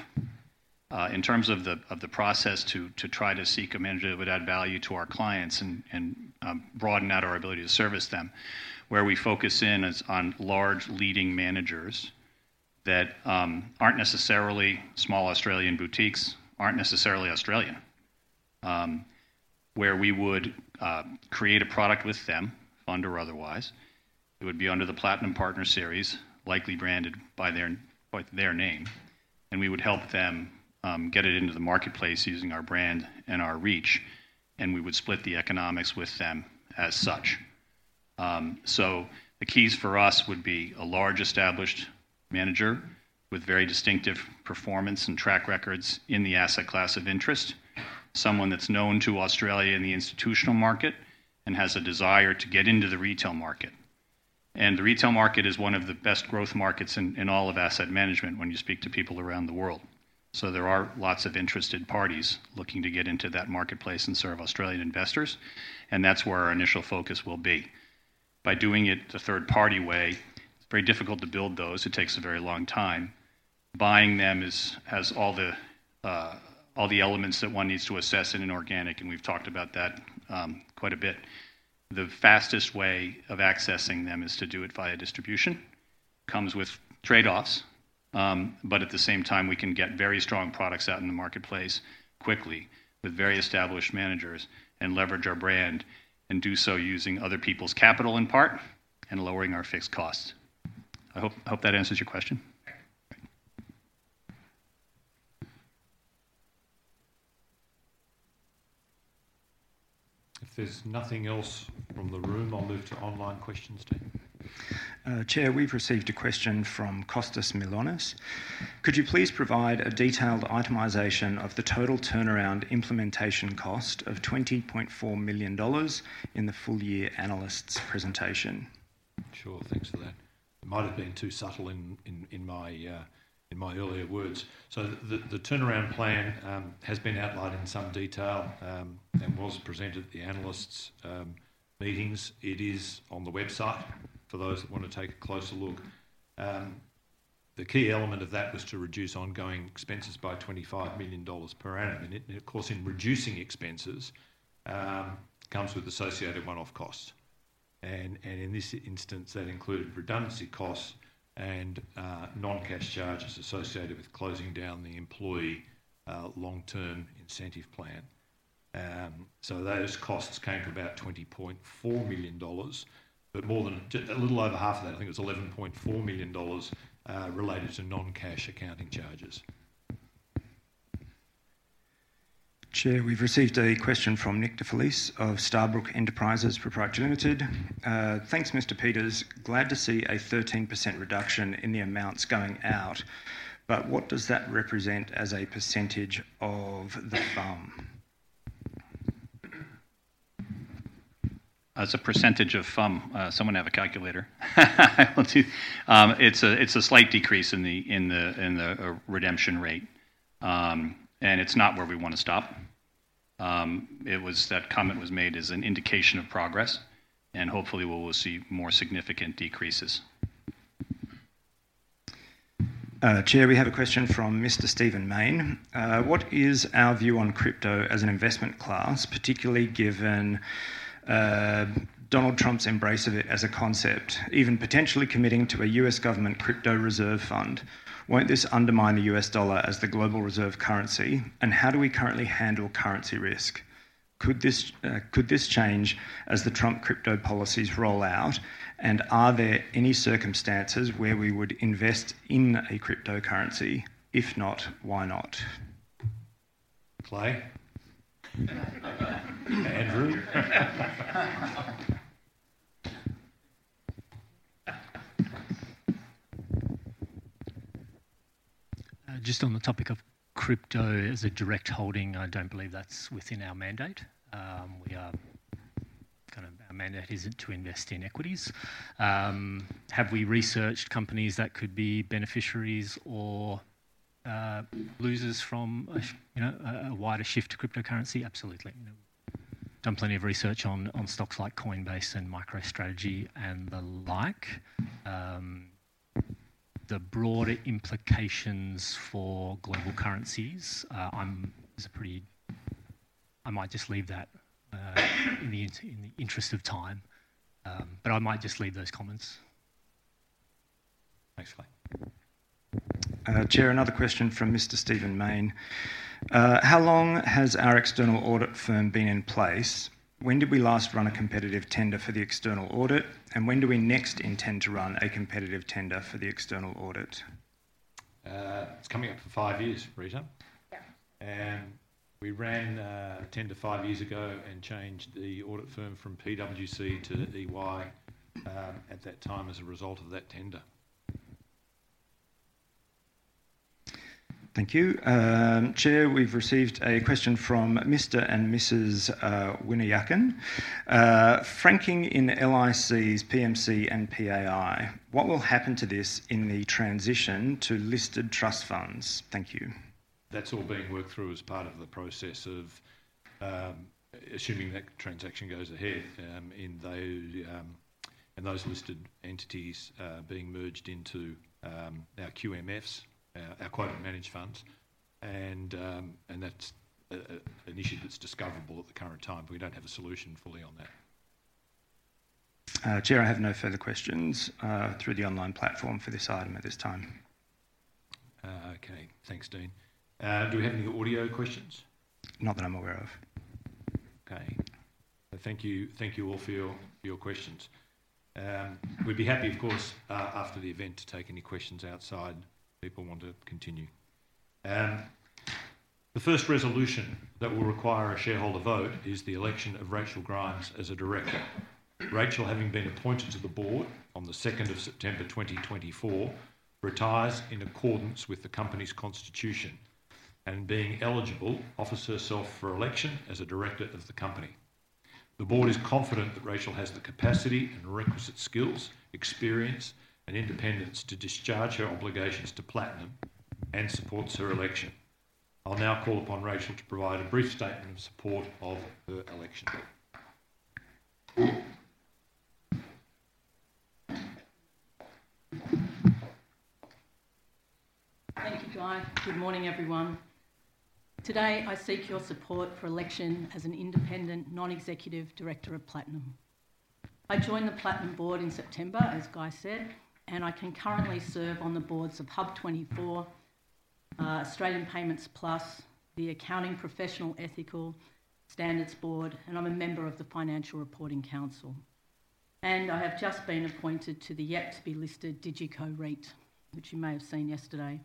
In terms of the process to try to seek a manager that would add value to our clients and broaden out our ability to service them, where we focus in on large leading managers that aren't necessarily small Australian boutiques, aren't necessarily Australian, where we would create a product with them, fund or otherwise. It would be under the Platinum Partner Series, likely branded by their name, and we would help them get it into the marketplace using our brand and our reach, and we would split the economics with them as such. The keys for us would be a large established manager with very distinctive performance and track records in the asset class of interest, someone that's known to Australia in the institutional market and has a desire to get into the retail market. The retail market is one of the best growth markets in all of asset management when you speak to people around the world. There are lots of interested parties looking to get into that marketplace and serve Australian investors, and that's where our initial focus will be. By doing it the third-party way, it's very difficult to build those. It takes a very long time. Buying them has all the elements that one needs to assess in an inorganic, and we've talked about that quite a bit. The fastest way of accessing them is to do it via distribution. It comes with trade-offs, but at the same time, we can get very strong products out in the marketplace quickly with very established managers and leverage our brand and do so using other people's capital in part and lowering our fixed costs. I hope that answers your question. If there's nothing else from the room, I'll move to online questions then. Chair, we've received a question from Kostas Mylonas. "Could you please provide a detailed itemization of the total turnaround implementation cost of 20.4 million dollars in the full-year analysts' presentation? Sure. Thanks for that. It might have been too subtle in my earlier words. The turnaround plan has been outlined in some detail and was presented at the analysts' meetings. It is on the website for those that want to take a closer look. The key element of that was to reduce ongoing expenses by 25 million dollars per annum. Of course, in reducing expenses, it comes with associated one-off costs. In this instance, that included redundancy costs and non-cash charges associated with closing down the employee Long-Term Incentive Plan. Those costs came from about 20.4 million dollars, but more than a little over half of that, I think it was 11.4 million dollars related to non-cash accounting charges. Chair, we've received a question from Nick DeFelice of Staybrook Enterprises Proprietary Limited. "Thanks, Mr. Peters. Glad to see a 13% reduction in the amounts going out, but what does that represent as a percentage of the FUM? As a percentage of FUM, someone have a calculator? It's a slight decrease in the redemption rate, and it's not where we want to stop. It was that comment made as an indication of progress, and hopefully, we will see more significant decreases. Chair, we have a question from Mr. Stephen Mayne. "What is our view on crypto as an investment class, particularly given Donald Trump's embrace of it as a concept, even potentially committing to a U.S. government crypto reserve fund? Won't this undermine the U.S. dollar as the global reserve currency, and how do we currently handle currency risk? Could this change as the Trump crypto policies roll out, and are there any circumstances where we would invest in a cryptocurrency? If not, why not? Clay? Andrew? Just on the topic of crypto as a direct holding, I don't believe that's within our mandate. Kind of our mandate isn't to invest in equities. Have we researched companies that could be beneficiaries or losers from a wider shift to cryptocurrency? Absolutely. Done plenty of research on stocks like Coinbase and MicroStrategy and the like. The broader implications for global currencies, I might just leave that in the interest of time, but I might just leave those comments. Thanks, Clay. Chair, another question from Mr. Stephen Mayne. "How long has our external audit firm been in place? When did we last run a competitive tender for the external audit, and when do we next intend to run a competitive tender for the external audit? It's coming up for five years, Rita. And we ran a tender five years ago and changed the audit firm from PwC to EY at that time as a result of that tender. Thank you. Chair, we've received a question from Mr. and Mrs. Vinayakam. "Franking in LICs, PMC, and PAI, what will happen to this in the transition to listed trust funds?" Thank you. That's all being worked through as part of the process of assuming that transaction goes ahead in those listed entities being merged into our QMFs, our quoted managed funds, and that's an issue that's disclosable at the current time. We don't have a full solution on that. Chair, I have no further questions through the online platform for this item at this time. Okay. Thanks, Dean. Do we have any audio questions? Not that I'm aware of. Okay. Thank you all for your questions. We'd be happy, of course, after the event to take any questions outside if people want to continue. The first resolution that will require a shareholder vote is the election of Rachel Grimes as a director. Rachel, having been appointed to the board on the 2nd of September 2024, retires in accordance with the company's constitution and being eligible offers herself for election as a director of the company. The board is confident that Rachel has the capacity and requisite skills, experience, and independence to discharge her obligations to Platinum and supports her election. I'll now call upon Rachel to provide a brief statement of support of her election. Thank you, Guy. Good morning, everyone. Today, I seek your support for election as an independent non-executive director of Platinum. I joined the Platinum board in September, as Guy said, and I can currently serve on the boards of HUB24, Australian Payments Plus, the Accounting Professional & Ethical Standards Board, and I'm a member of the Financial Reporting Council. And I have just been appointed to the yet-to-be-listed DigiCo REIT, which you may have seen yesterday.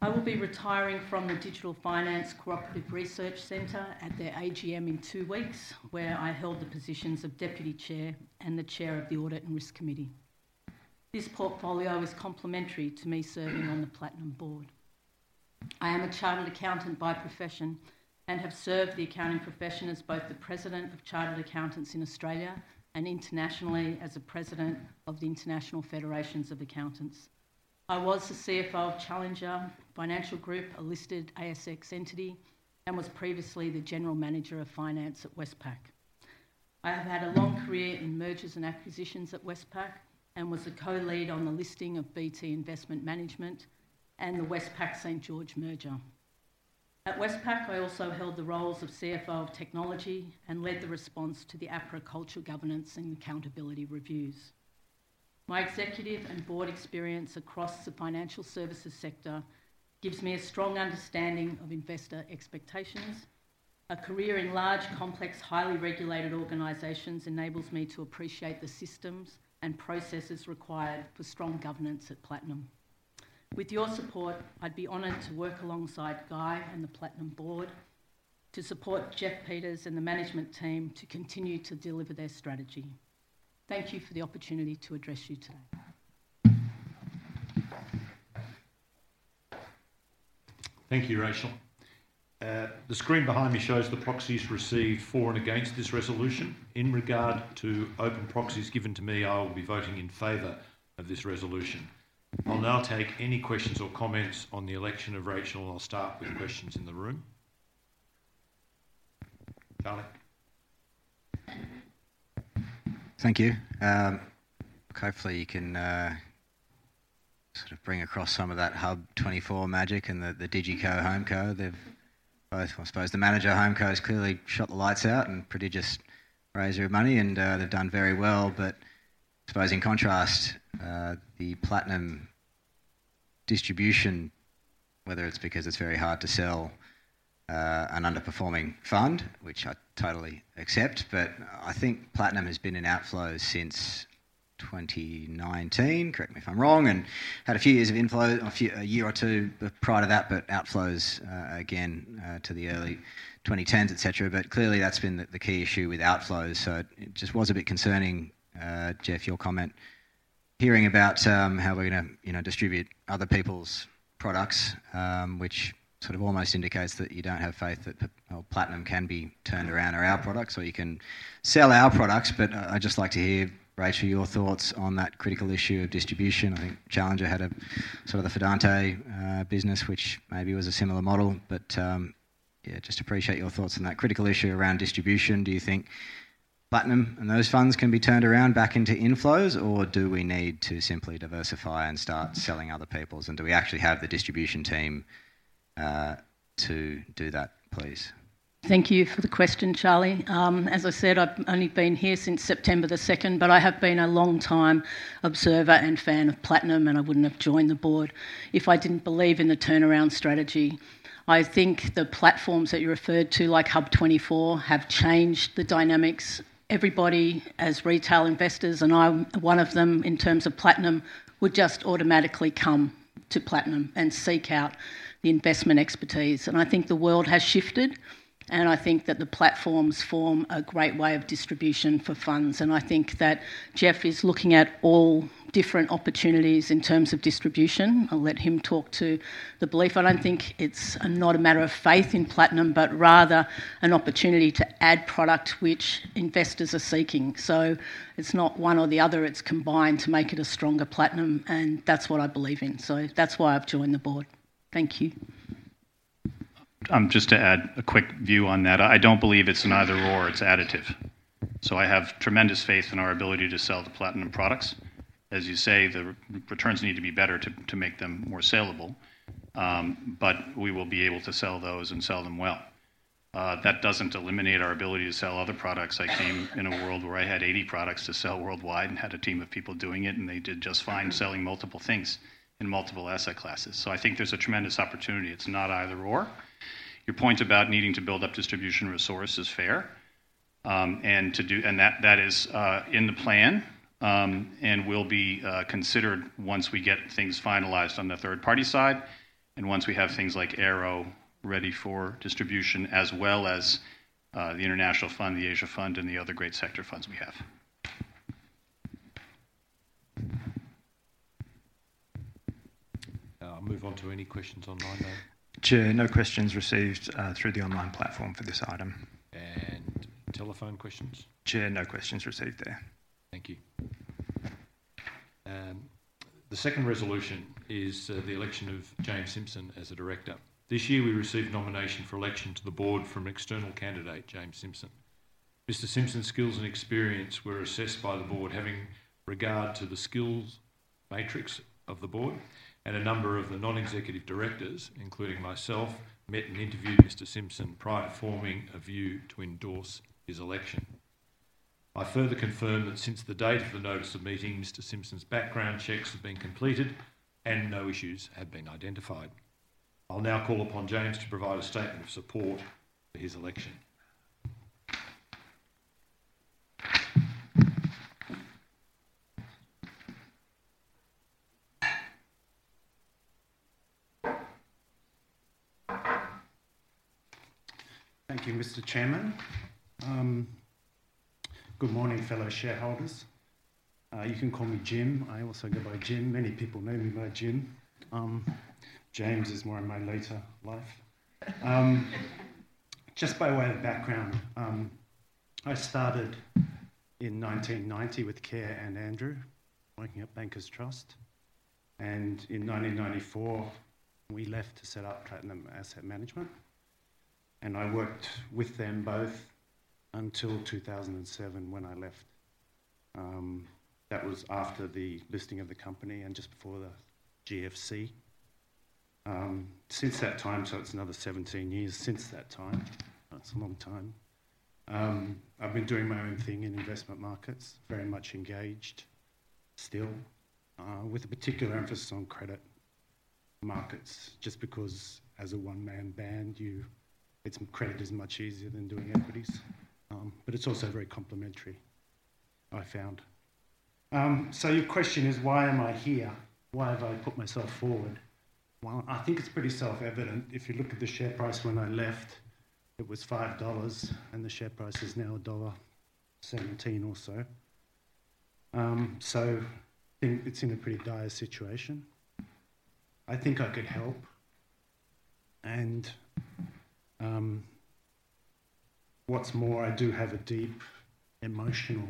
I will be retiring from the Digital Finance Cooperative Research Centre at their AGM in two weeks, where I held the positions of deputy chair and the chair of the Audit and Risk Committee. This portfolio is complementary to me serving on the Platinum board. I am a chartered accountant by profession and have served the accounting profession as both the president of chartered accountants in Australia and internationally as a president of the International Federation of Accountants. I was the CFO of Challenger Financial Group, a listed ASX entity, and was previously the general manager of finance at Westpac. I have had a long career in mergers and acquisitions at Westpac and was a co-lead on the listing of BT Investment Management and the Westpac-St. George merger. At Westpac, I also held the roles of CFO of Technology and led the response to the Agriculture Governance and Accountability reviews. My executive and board experience across the financial services sector gives me a strong understanding of investor expectations. A career in large, complex, highly regulated organizations enables me to appreciate the systems and processes required for strong governance at Platinum. With your support, I'd be honored to work alongside Guy and the Platinum board to support Jeff Peters and the management team to continue to deliver their strategy. Thank you for the opportunity to address you today. Thank you, Rachel. The screen behind me shows the proxies received for and against this resolution. In regard to open proxies given to me, I will be voting in favor of this resolution. I'll now take any questions or comments on the election of Rachel, and I'll start with questions in the room. Charlie? Thank you. Hopefully, you can sort of bring across some of that HUB24 magic and the DigiCo/HomeCo. Both, I suppose, the manager HomeCo has clearly shot the lights out and a prodigious raiser of money, and they've done very well. But I suppose, in contrast, the Platinum distribution, whether it's because it's very hard to sell an underperforming fund, which I totally accept, but I think Platinum has been in outflows since 2019, correct me if I'm wrong, and had a few years of inflow, a year or two prior to that, but outflows again to the early 2010s, etc. But clearly, that's been the key issue with outflows. So it just was a bit concerning, Jeff, your comment hearing about how we're going to distribute other people's products, which sort of almost indicates that you don't have faith that Platinum can be turned around or our products, or you can sell our products. But I'd just like to hear, Rachel, your thoughts on that critical issue of distribution. I think Challenger had sort of the Fidante business, which maybe was a similar model. But yeah, just appreciate your thoughts on that critical issue around distribution. Do you think Platinum and those funds can be turned around back into inflows, or do we need to simply diversify and start selling other people's, and do we actually have the distribution team to do that, please? Thank you for the question, Charlie. As I said, I've only been here since September the 2nd, but I have been a long-time observer and fan of Platinum, and I wouldn't have joined the board if I didn't believe in the turnaround strategy. I think the platforms that you referred to, like HUB24, have changed the dynamics. Everybody, as retail investors, and I'm one of them in terms of Platinum, would just automatically come to Platinum and seek out the investment expertise. And I think the world has shifted, and I think that the platforms form a great way of distribution for funds. And I think that Jeff is looking at all different opportunities in terms of distribution. I'll let him talk to the belief. I don't think it's not a matter of faith in Platinum, but rather an opportunity to add product which investors are seeking. So it's not one or the other. It's combined to make it a stronger Platinum, and that's what I believe in. So that's why I've joined the board. Thank you. I'm just to add a quick view on that. I don't believe it's an either/or. It's additive. So I have tremendous faith in our ability to sell the Platinum products. As you say, the returns need to be better to make them more saleable, but we will be able to sell those and sell them well. That doesn't eliminate our ability to sell other products. I came in a world where I had 80 products to sell worldwide and had a team of people doing it, and they did just fine selling multiple things in multiple asset classes. So I think there's a tremendous opportunity. It's not either/or. Your point about needing to build up distribution resource is fair, and that is in the plan and will be considered once we get things finalized on the third-party side and once we have things like Arrow ready for distribution, as well as the International Fund, the Asia Fund, and the other great sector funds we have. I'll move on to any questions online there. Chair, no questions received through the online platform for this item. Telephone questions? Chair, no questions received there. Thank you. The second resolution is the election of James Simpson as a director. This year, we received nomination for election to the board from external candidate James Simpson. Mr. Simpson's skills and experience were assessed by the board, having regard to the skills matrix of the board, and a number of the non-executive directors, including myself, met and interviewed Mr. Simpson prior to forming a view to endorse his election. I further confirm that since the date of the notice of meeting, Mr. Simpson's background checks have been completed and no issues have been identified. I'll now call upon James to provide a statement of support for his election. Thank you, Mr. Chairman. Good morning, fellow shareholders. You can call me Jim. I also go by Jim. Many people know me by Jim. James is more in my later life. Just by way of background, I started in 1990 with Kerr and Andrew working at Bankers Trust, and in 1994, we left to set up Platinum Asset Management, and I worked with them both until 2007 when I left. That was after the listing of the company and just before the GFC. Since that time, so it's another 17 years since that time. That's a long time. I've been doing my own thing in investment markets, very much engaged still, with a particular emphasis on credit markets, just because as a one-man band, credit is much easier than doing equities, but it's also very complementary, I found. So your question is, why am I here? Why have I put myself forward? Well, I think it's pretty self-evident. If you look at the share price when I left, it was 5 dollars, and the share price is now dollar 1.17 or so. So I think it's in a pretty dire situation. I think I could help. And what's more, I do have a deep emotional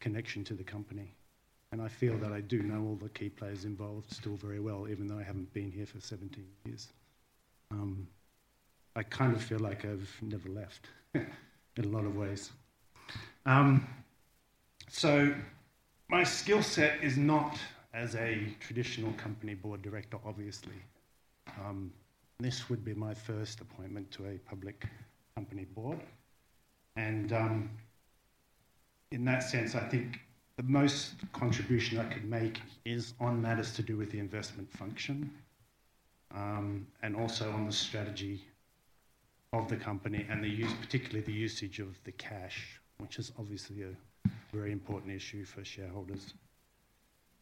connection to the company, and I feel that I do know all the key players involved still very well, even though I haven't been here for 17 years. I kind of feel like I've never left in a lot of ways. So my skill set is not as a traditional company board director, obviously. This would be my first appointment to a public company board. And in that sense, I think the most contribution I could make is on matters to do with the investment function and also on the strategy of the company and particularly the usage of the cash, which is obviously a very important issue for shareholders.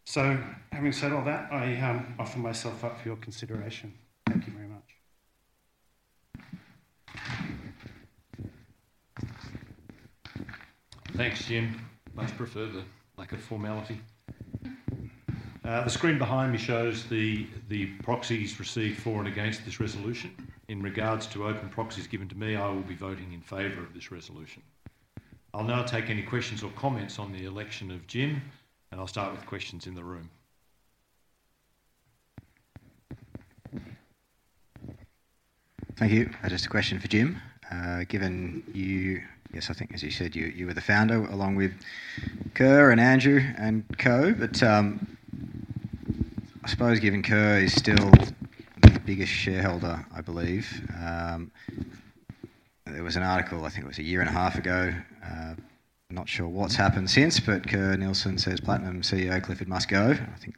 So having said all that, I offer myself up for your consideration. Thank you very much. Thanks, Jim. Much preferred, like a formality. The screen behind me shows the proxies received for and against this resolution. In regards to open proxies given to me, I will be voting in favor of this resolution. I'll now take any questions or comments on the election of Jim, and I'll start with questions in the room. Thank you. Just a question for Jim. Given you, yes, I think, as you said, you were the founder along with Kerr and Andrew and Co. But I suppose given Kerr is still the biggest shareholder, I believe. There was an article, I think it was a year and a half ago. I'm not sure what's happened since, but Kerr Neilson says Platinum CEO Clifford must go. I think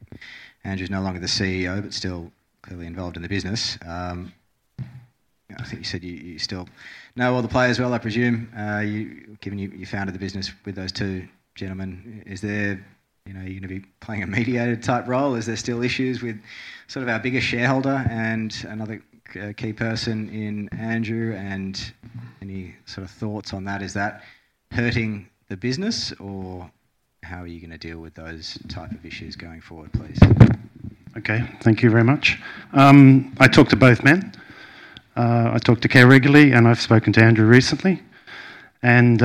Andrew's no longer the CEO, but still clearly involved in the business. I think you said you still know all the players well, I presume, given you founded the business with those two gentlemen. Are you going to be playing a mediated type role? Is there still issues with sort of our biggest shareholder and another key person in Andrew? And any sort of thoughts on that? Is that hurting the business, or how are you going to deal with those type of issues going forward, please? Okay. Thank you very much. I talk to both men. I talk to Kerr regularly, and I've spoken to Andrew recently. And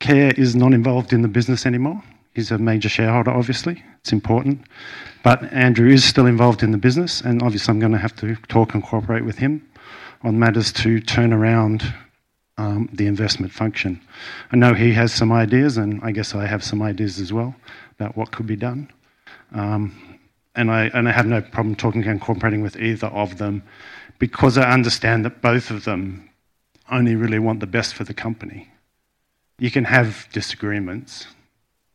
Kerr is not involved in the business anymore. He's a major shareholder, obviously. It's important. But Andrew is still involved in the business, and obviously, I'm going to have to talk and cooperate with him on matters to turn around the investment function. I know he has some ideas, and I guess I have some ideas as well about what could be done. And I have no problem talking and cooperating with either of them because I understand that both of them only really want the best for the company. You can have disagreements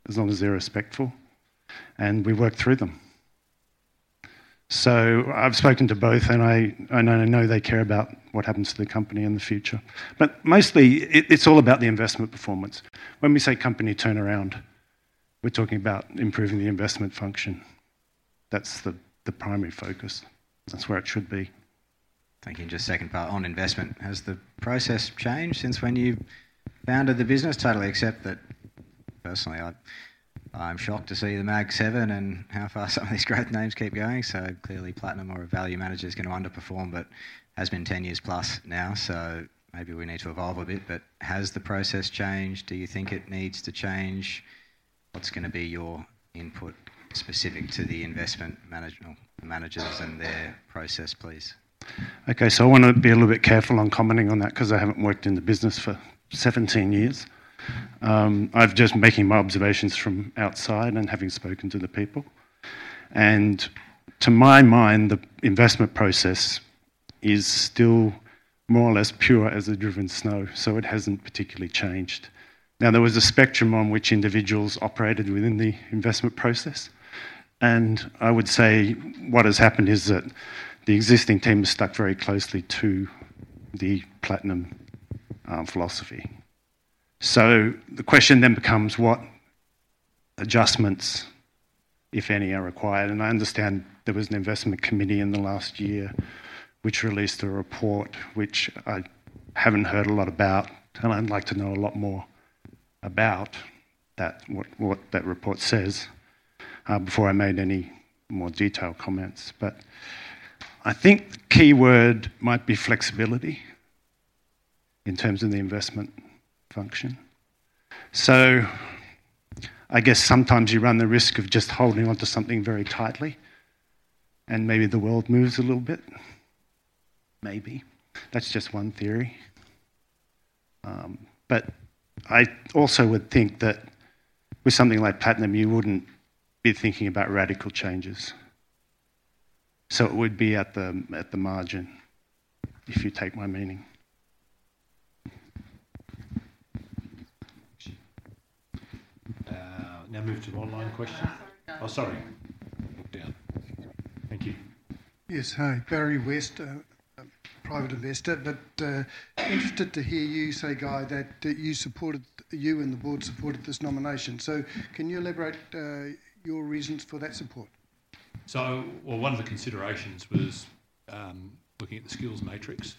as long as they're respectful, and we work through them. So I've spoken to both, and I know they care about what happens to the company in the future. But mostly, it's all about the investment performance. When we say company turnaround, we're talking about improving the investment function. That's the primary focus. That's where it should be. Thank you. Just a second part on investment. Has the process changed since when you founded the business? Totally accept that. Personally, I'm shocked to see the Mag 7 and how far some of these great names keep going. So clearly, Platinum or a value manager is going to underperform, but has been 10 years plus now, so maybe we need to evolve a bit. But has the process changed? Do you think it needs to change? What's going to be your input specific to the investment managers and their process, please? Okay. So I want to be a little bit careful on commenting on that because I haven't worked in the business for 17 years. I've just been making my observations from outside and having spoken to the people. And to my mind, the investment process is still more or less pure as the driven snow, so it hasn't particularly changed. Now, there was a spectrum on which individuals operated within the investment process. And I would say what has happened is that the existing team has stuck very closely to the Platinum philosophy. So the question then becomes what adjustments, if any, are required. And I understand there was an investment committee in the last year which released a report which I haven't heard a lot about, and I'd like to know a lot more about what that report says before I made any more detailed comments. But I think the key word might be flexibility in terms of the investment function. So I guess sometimes you run the risk of just holding on to something very tightly, and maybe the world moves a little bit. Maybe. That's just one theory. But I also would think that with something like Platinum, you wouldn't be thinking about radical changes. So it would be at the margin if you take my meaning. Now move to online questions. Oh, sorry. Look down. Thank you. Yes. Hi. Barry West, private investor. But interested to hear you say, Guy, that you supported and the board supported this nomination. So can you elaborate your reasons for that support? So one of the considerations was looking at the skills matrix.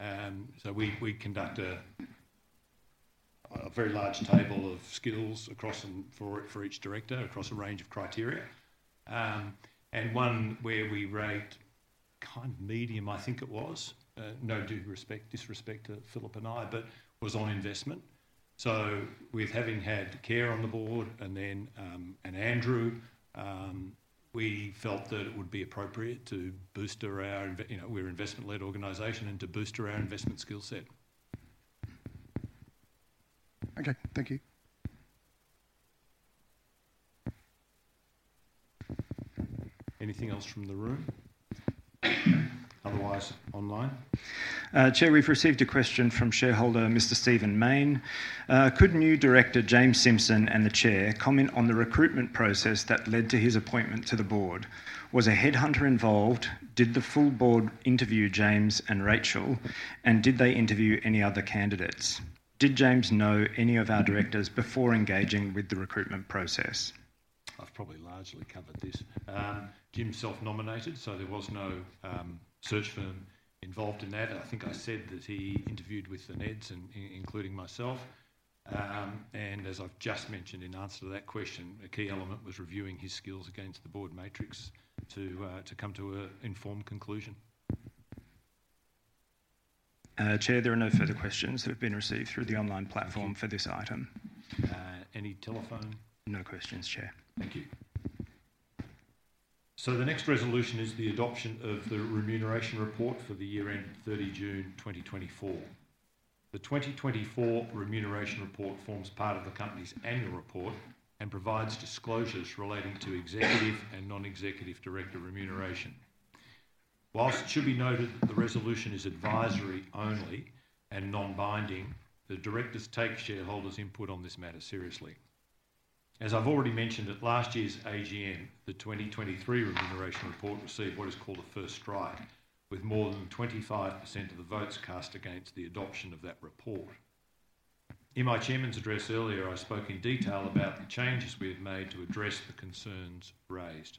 So we conduct a very large table of skills for each director across a range of criteria. And one where we rate kind of medium, I think it was, no disrespect to Philip and I, but was on investment. So with having had Kerr on the board and then Andrew, we felt that it would be appropriate to boost our, we're an investment-led organization, into boosting our investment skill set. Okay. Thank you. Anything else from the room? Otherwise, online? Chair, we've received a question from shareholder Mr. Stephen Mayne. Could new director James Simpson and the chair comment on the recruitment process that led to his appointment to the board? Was a headhunter involved? Did the full board interview James and Rachel, and did they interview any other candidates? Did James know any of our directors before engaging with the recruitment process? I've probably largely covered this. Jim self-nominated, so there was no search firm involved in that. I think I said that he interviewed with the NEDs, including myself, and as I've just mentioned in answer to that question, a key element was reviewing his skills against the board matrix to come to an informed conclusion. Chair, there are no further questions that have been received through the online platform for this item. Any telephone? No questions, Chair. Thank you, so the next resolution is the adoption of the remuneration report for the year-end 30 June 2024. The 2024 remuneration report forms part of the company's annual report and provides disclosures relating to executive and non-executive director remuneration. While it should be noted that the resolution is advisory only and non-binding, the directors take shareholders' input on this matter seriously. As I've already mentioned, at last year's AGM, the 2023 remuneration report received what is called a first strike, with more than 25% of the votes cast against the adoption of that report. In my chairman's address earlier, I spoke in detail about the changes we have made to address the concerns raised.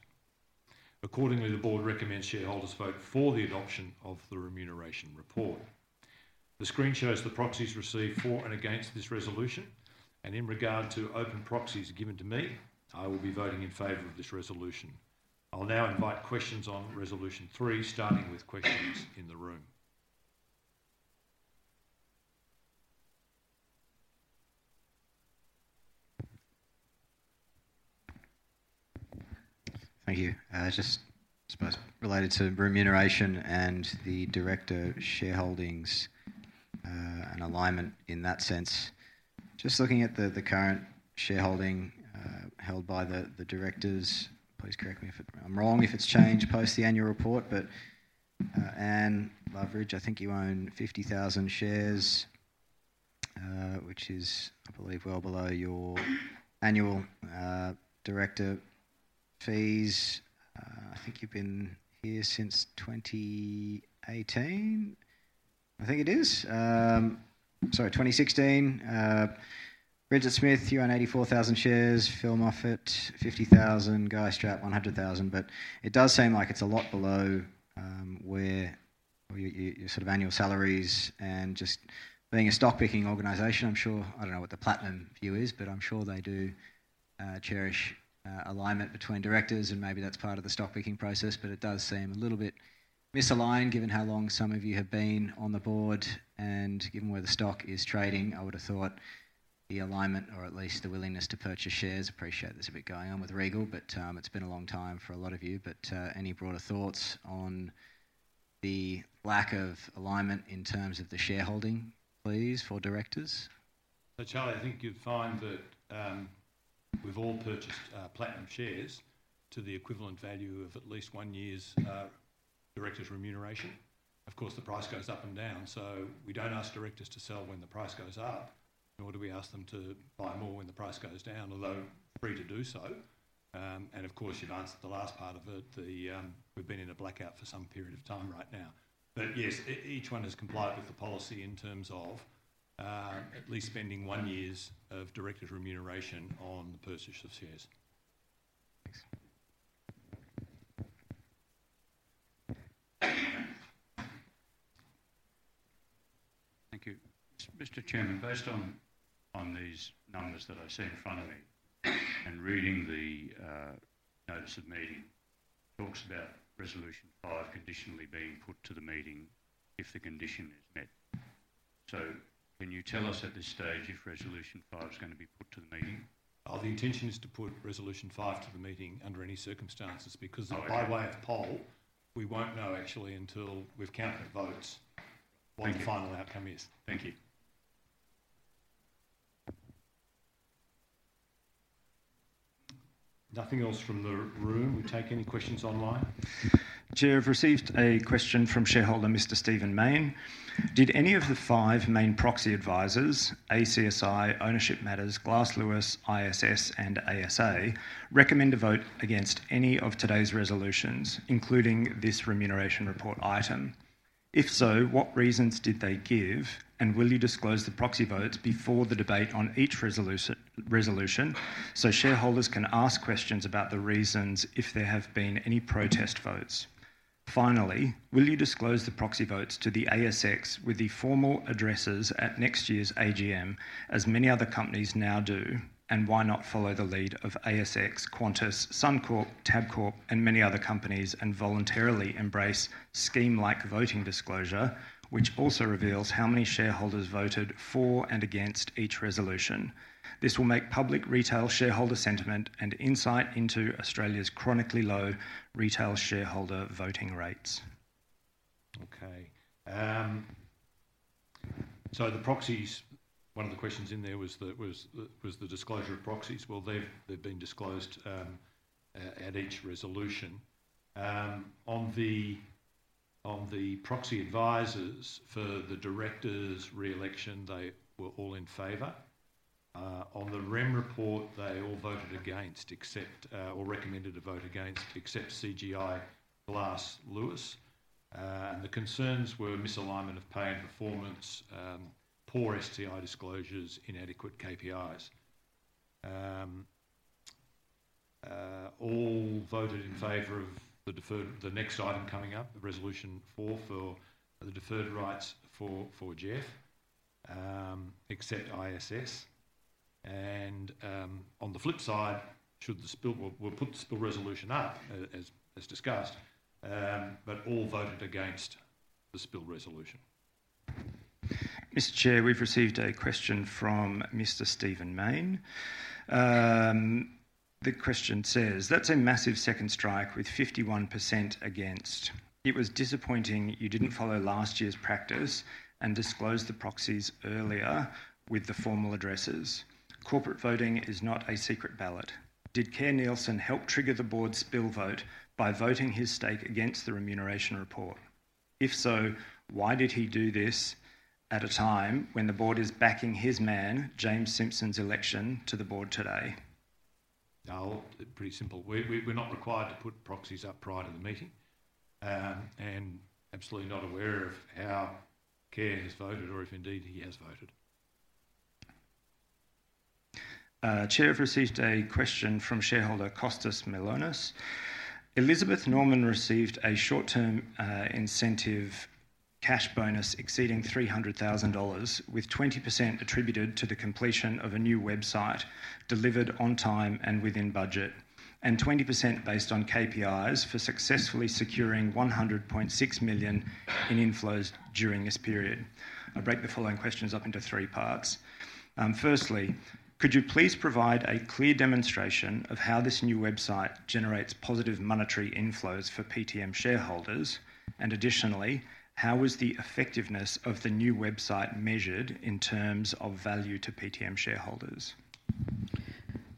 Accordingly, the board recommends shareholders vote for the adoption of the remuneration report. The screen shows the proxies received for and against this resolution. And in regard to open proxies given to me, I will be voting in favor of this resolution. I'll now invite questions on resolution three, starting with questions in the room. Thank you. Just related to remuneration and the director shareholdings and alignment in that sense. Just looking at the current shareholding held by the directors, please correct me if I'm wrong if it's changed post the annual report. But Anne Loveridge, I think you own 50,000 shares, which is, I believe, well below your annual director fees. I think you've been here since 2018. I think it is. Sorry, 2016. Brigitte Smith, you own 84,000 shares. Philip Moffat, 50,000. Guy Strapp, 100,000. But it does seem like it's a lot below your sort of annual salaries and just being a stock-picking organization. I'm sure I don't know what the Platinum view is, but I'm sure they do cherish alignment between directors, and maybe that's part of the stock-picking process. But it does seem a little bit misaligned given how long some of you have been on the board. Given where the stock is trading, I would have thought the alignment or at least the willingness to purchase shares, appreciate there's a bit going on with Regal, but it's been a long time for a lot of you. Any broader thoughts on the lack of alignment in terms of the shareholding, please, for directors? Charlie, I think you'd find that we've all purchased Platinum shares to the equivalent value of at least one year's director's remuneration. Of course, the price goes up and down. We don't ask directors to sell when the price goes up, nor do we ask them to buy more when the price goes down, although free to do so. And of course, you've answered the last part of it. We've been in a blackout for some period of time right now. But yes, each one has complied with the policy in terms of at least spending one year's director's remuneration on the purchase of shares. Thanks. Thank you. Mr. Chairman, based on these numbers that I see in front of me and reading the notice of meeting, it talks about resolution five conditionally being put to the meeting if the condition is met. So can you tell us at this stage if resolution five is going to be put to the meeting? The intention is to put resolution five to the meeting under any circumstances because by way of poll, we won't know actually until we've counted votes what the final outcome is. Thank you. Nothing else from the room. We take any questions online. Chair, I've received a question from shareholder Mr. Stephen Mayne. Did any of the five main proxy advisors, ACSI, Ownership Matters, Glass Lewis, ISS, and ASA, recommend a vote against any of today's resolutions, including this remuneration report item? If so, what reasons did they give, and will you disclose the proxy votes before the debate on each resolution so shareholders can ask questions about the reasons if there have been any protest votes? Finally, will you disclose the proxy votes to the ASX with the formal addresses at next year's AGM, as many other companies now do, and why not follow the lead of ASX, Qantas, Suncorp, Tabcorp, and many other companies and voluntarily embrace scheme-like voting disclosure, which also reveals how many shareholders voted for and against each resolution? This will make public retail shareholder sentiment and insight into Australia's chronically low retail shareholder voting rates. Okay. So the proxies, one of the questions in there was the disclosure of proxies. Well, they've been disclosed at each resolution. On the proxy advisors for the directors' re-election, they were all in favor. On the remuneration report, they all voted against or recommended a vote against, except Glass Lewis. And the concerns were misalignment of pay and performance, poor STI disclosures, inadequate KPIs. All voted in favor of the next item coming up, resolution four for the deferred rights for Jeff, except ISS. And on the flip side, we'll put the spill resolution up as discussed, but all voted against the spill resolution. Mr. Chair, we've received a question from Mr. Stephen Mayne. The question says, "That's a massive second strike with 51% against. It was disappointing you didn't follow last year's practice and disclose the proxies earlier with the formal addresses. Corporate voting is not a secret ballot. Did Kerr Neilson help trigger the board's spill vote by voting his stake against the remuneration report? If so, why did he do this at a time when the board is backing his man, James Simpson's election to the board today? Pretty simple. We're not required to put proxies up prior to the meeting and absolutely not aware of how Kerr has voted or if indeed he has voted. Chair, I've received a question from shareholder Kostas Mylonas. Elizabeth Norman received a short-term incentive cash bonus exceeding 300,000 dollars, with 20% attributed to the completion of a new website delivered on time and within budget, and 20% based on KPIs for successfully securing 100.6 million in inflows during this period. I break the following questions up into three parts. Firstly, could you please provide a clear demonstration of how this new website generates positive monetary inflows for PTM shareholders? And additionally, how was the effectiveness of the new website measured in terms of value to PTM shareholders?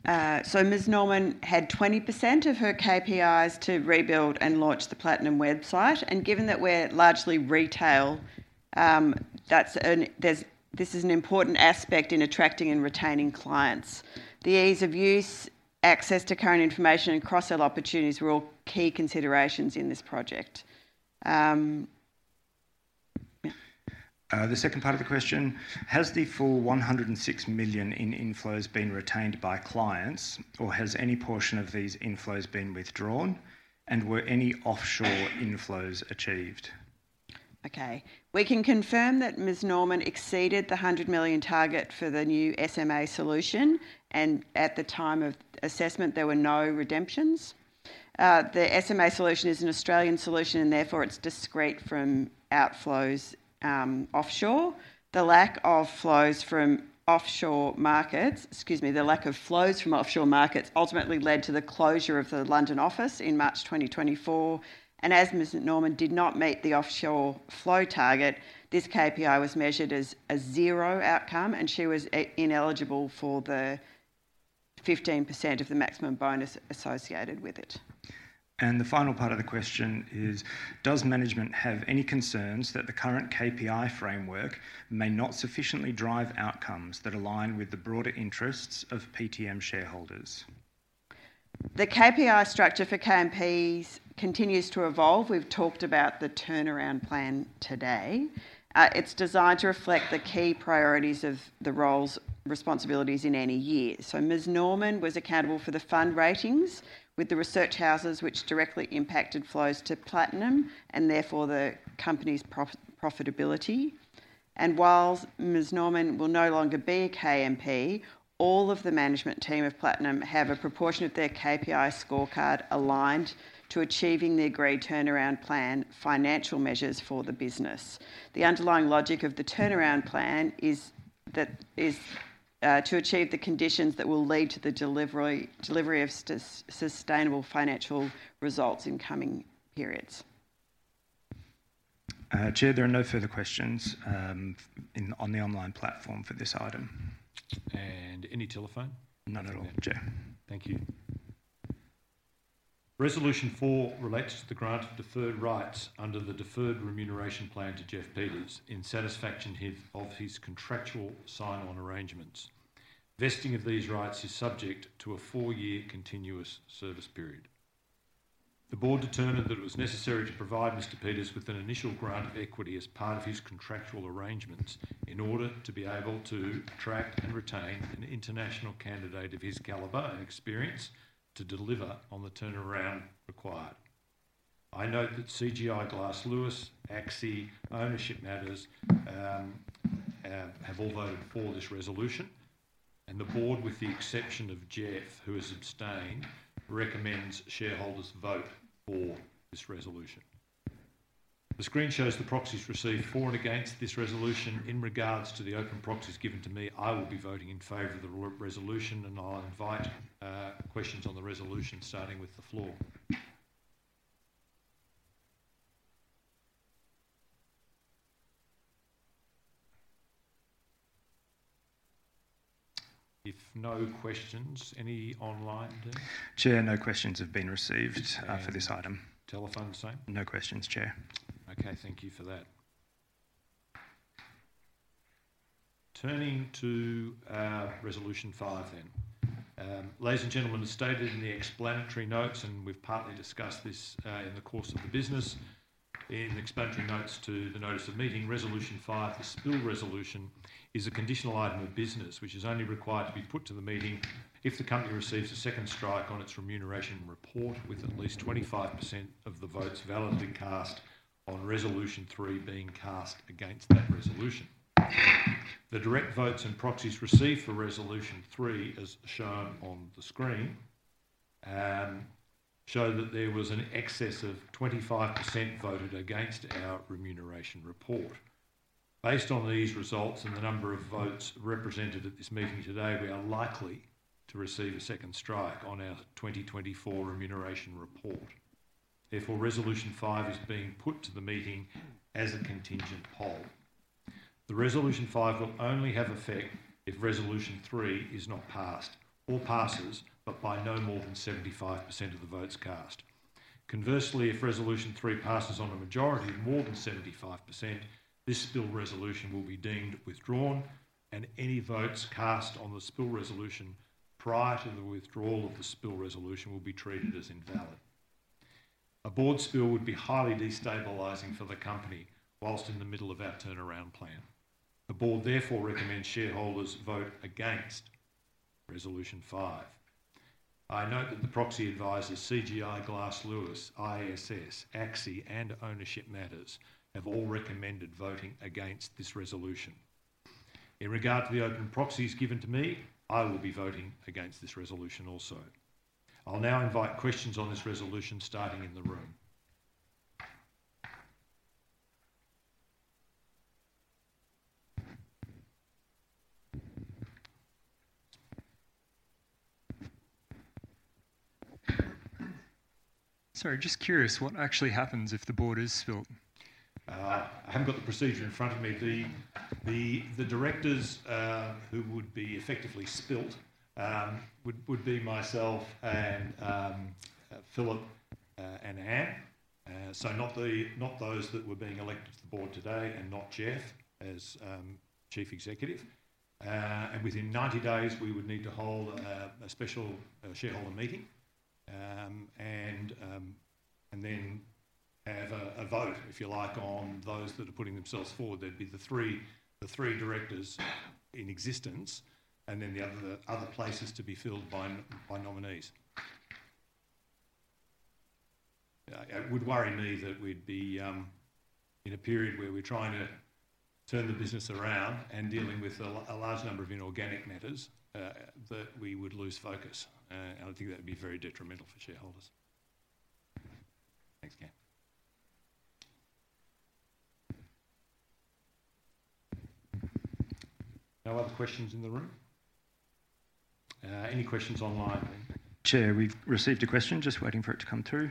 Ms. Norman had 20% of her KPIs to rebuild and launch the Platinum website. Given that we're largely retail, this is an important aspect in attracting and retaining clients. The ease of use, access to current information, and cross-sell opportunities were all key considerations in this project. The second part of the question, has the full 106 million in inflows been retained by clients, or has any portion of these inflows been withdrawn, and were any offshore inflows achieved? Okay. We can confirm that Ms. Norman exceeded the 100 million target for the new SMA solution. And at the time of assessment, there were no redemptions. The SMA solution is an Australian solution, and therefore it's distinct from outflows offshore. The lack of flows from offshore markets, excuse me, the lack of flows from offshore markets, ultimately led to the closure of the London office in March 2024. And as Ms. Norman did not meet the offshore flow target, this KPI was measured as a zero outcome, and she was ineligible for the 15% of the maximum bonus associated with it. And the final part of the question is, does management have any concerns that the current KPI framework may not sufficiently drive outcomes that align with the broader interests of PTM shareholders? The KPI structure for KMPs continues to evolve. We've talked about the turnaround plan today. It's designed to reflect the key priorities of the roles' responsibilities in any year. So Ms. Norman was accountable for the fund ratings with the research houses, which directly impacted flows to Platinum and therefore the company's profitability. And while Ms. Norman will no longer be a KMP, all of the management team of Platinum have a proportion of their KPI scorecard aligned to achieving the agreed turnaround plan financial measures for the business. The underlying logic of the turnaround plan is to achieve the conditions that will lead to the delivery of sustainable financial results in coming periods. Chair, there are no further questions on the online platform for this item. And any telephone? None at all. No. Thank you. Resolution four relates to the grant of deferred rights under the deferred remuneration plan to Jeff Peters in satisfaction of his contractual sign-on arrangements. Vesting of these rights is subject to a four-year continuous service period. The board determined that it was necessary to provide Mr. Peters with an initial grant of equity as part of his contractual arrangements in order to be able to attract and retain an international candidate of his caliber and experience to deliver on the turnaround required. I note that CGI Glass Lewis, ACSI, Ownership Matters have all voted for this resolution, and the board, with the exception of Jeff, who has abstained, recommends shareholders vote for this resolution. The screen shows the proxies received for and against this resolution. In regards to the open proxies given to me, I will be voting in favor of the resolution, and I'll invite questions on the resolution, starting with the floor. If no questions, any online, please. Chair, no questions have been received for this item. Telephone the same. No questions, Chair. Okay. Thank you for that. Turning to resolution five then. Ladies and gentlemen, as stated in the explanatory notes, and we've partly discussed this in the course of the business, in the explanatory notes to the notice of meeting, resolution five, the spill resolution, is a conditional item of business which is only required to be put to the meeting if the company receives a second strike on its remuneration report with at least 25% of the votes validly cast on resolution three being cast against that resolution. The direct votes and proxies received for resolution three, as shown on the screen, show that there was an excess of 25% voted against our remuneration report. Based on these results and the number of votes represented at this meeting today, we are likely to receive a second strike on our 2024 remuneration report. Therefore, Resolution five is being put to the meeting as a contingent poll. Resolution five will only have effect if Resolution three is not passed or passes, but by no more than 75% of the votes cast. Conversely, if Resolution three passes by a majority of more than 75%, this spill resolution will be deemed withdrawn, and any votes cast on the spill resolution prior to the withdrawal of the spill resolution will be treated as invalid. A board spill would be highly destabilizing for the company while in the middle of our turnaround plan. The board therefore recommends shareholders vote against Resolution five. I note that the proxy advisors, CGI Glass Lewis, ISS, ACSI, and Ownership Matters, have all recommended voting against this resolution. In regard to the open proxies given to me, I will be voting against this resolution also. I'll now invite questions on this resolution starting in the room. Sorry, just curious, what actually happens if the board is spilled? I haven't got the procedure in front of me. The directors who would be effectively spilled would be myself and Philip and Anne. So not those that were being elected to the board today and not Jeff as Chief Executive, and within 90 days, we would need to hold a special shareholder meeting and then have a vote, if you like, on those that are putting themselves forward. There'd be the three directors in existence and then the other places to be filled by nominees. It would worry me that we'd be in a period where we're trying to turn the business around and dealing with a large number of inorganic matters, that we would lose focus, and I think that would be very detrimental for shareholders. Thanks, Ken. No other questions in the room? Any questions online? Chair, we've received a question. Just waiting for it to come through.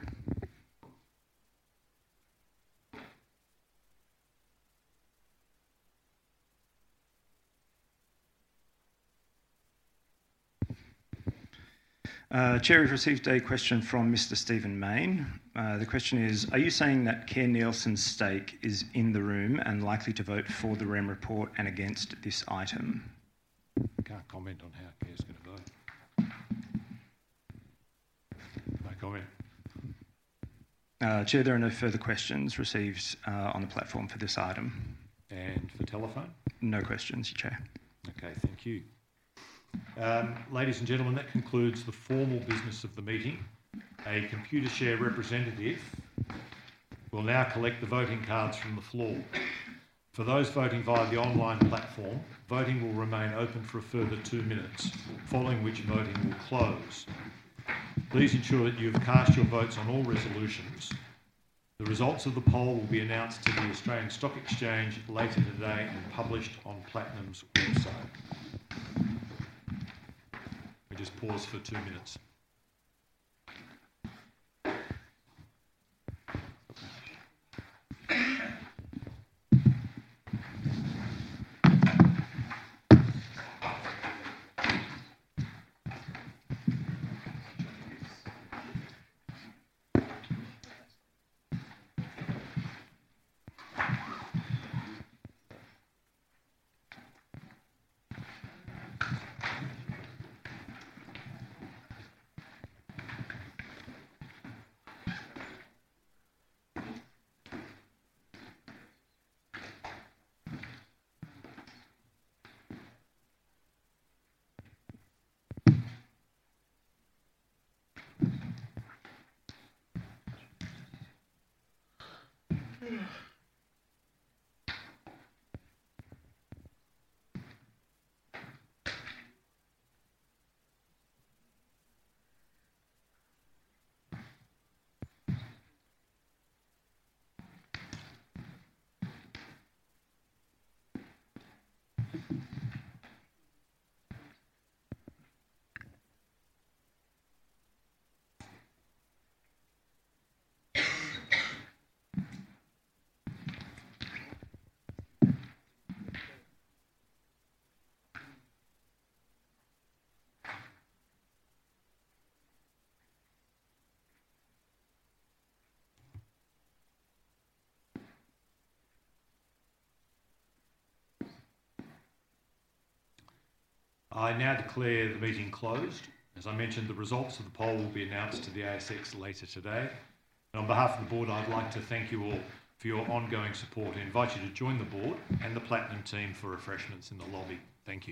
Chair, we've received a question from Mr. Stephen Mayne. The question is, "Are you saying that Kerr Neilson's stake is in the room and likely to vote for the REM report and against this item? I can't comment on how Kerr's going to vote. No comment. Chair, there are no further questions received on the platform for this item. And for telephone? No questions, Chair. Okay. Thank you. Ladies and gentlemen, that concludes the formal business of the meeting. A Computershare representative will now collect the voting cards from the floor. For those voting via the online platform, voting will remain open for a further two minutes, following which voting will close. Please ensure that you have cast your votes on all resolutions. The results of the poll will be announced to the Australian Stock Exchange later today and published on Platinum's website. We just pause for two minutes. I now declare the meeting closed. As I mentioned, the results of the poll will be announced to the ASX later today. And on behalf of the board, I'd like to thank you all for your ongoing support and invite you to join the board and the Platinum team for refreshments in the lobby. Thank you.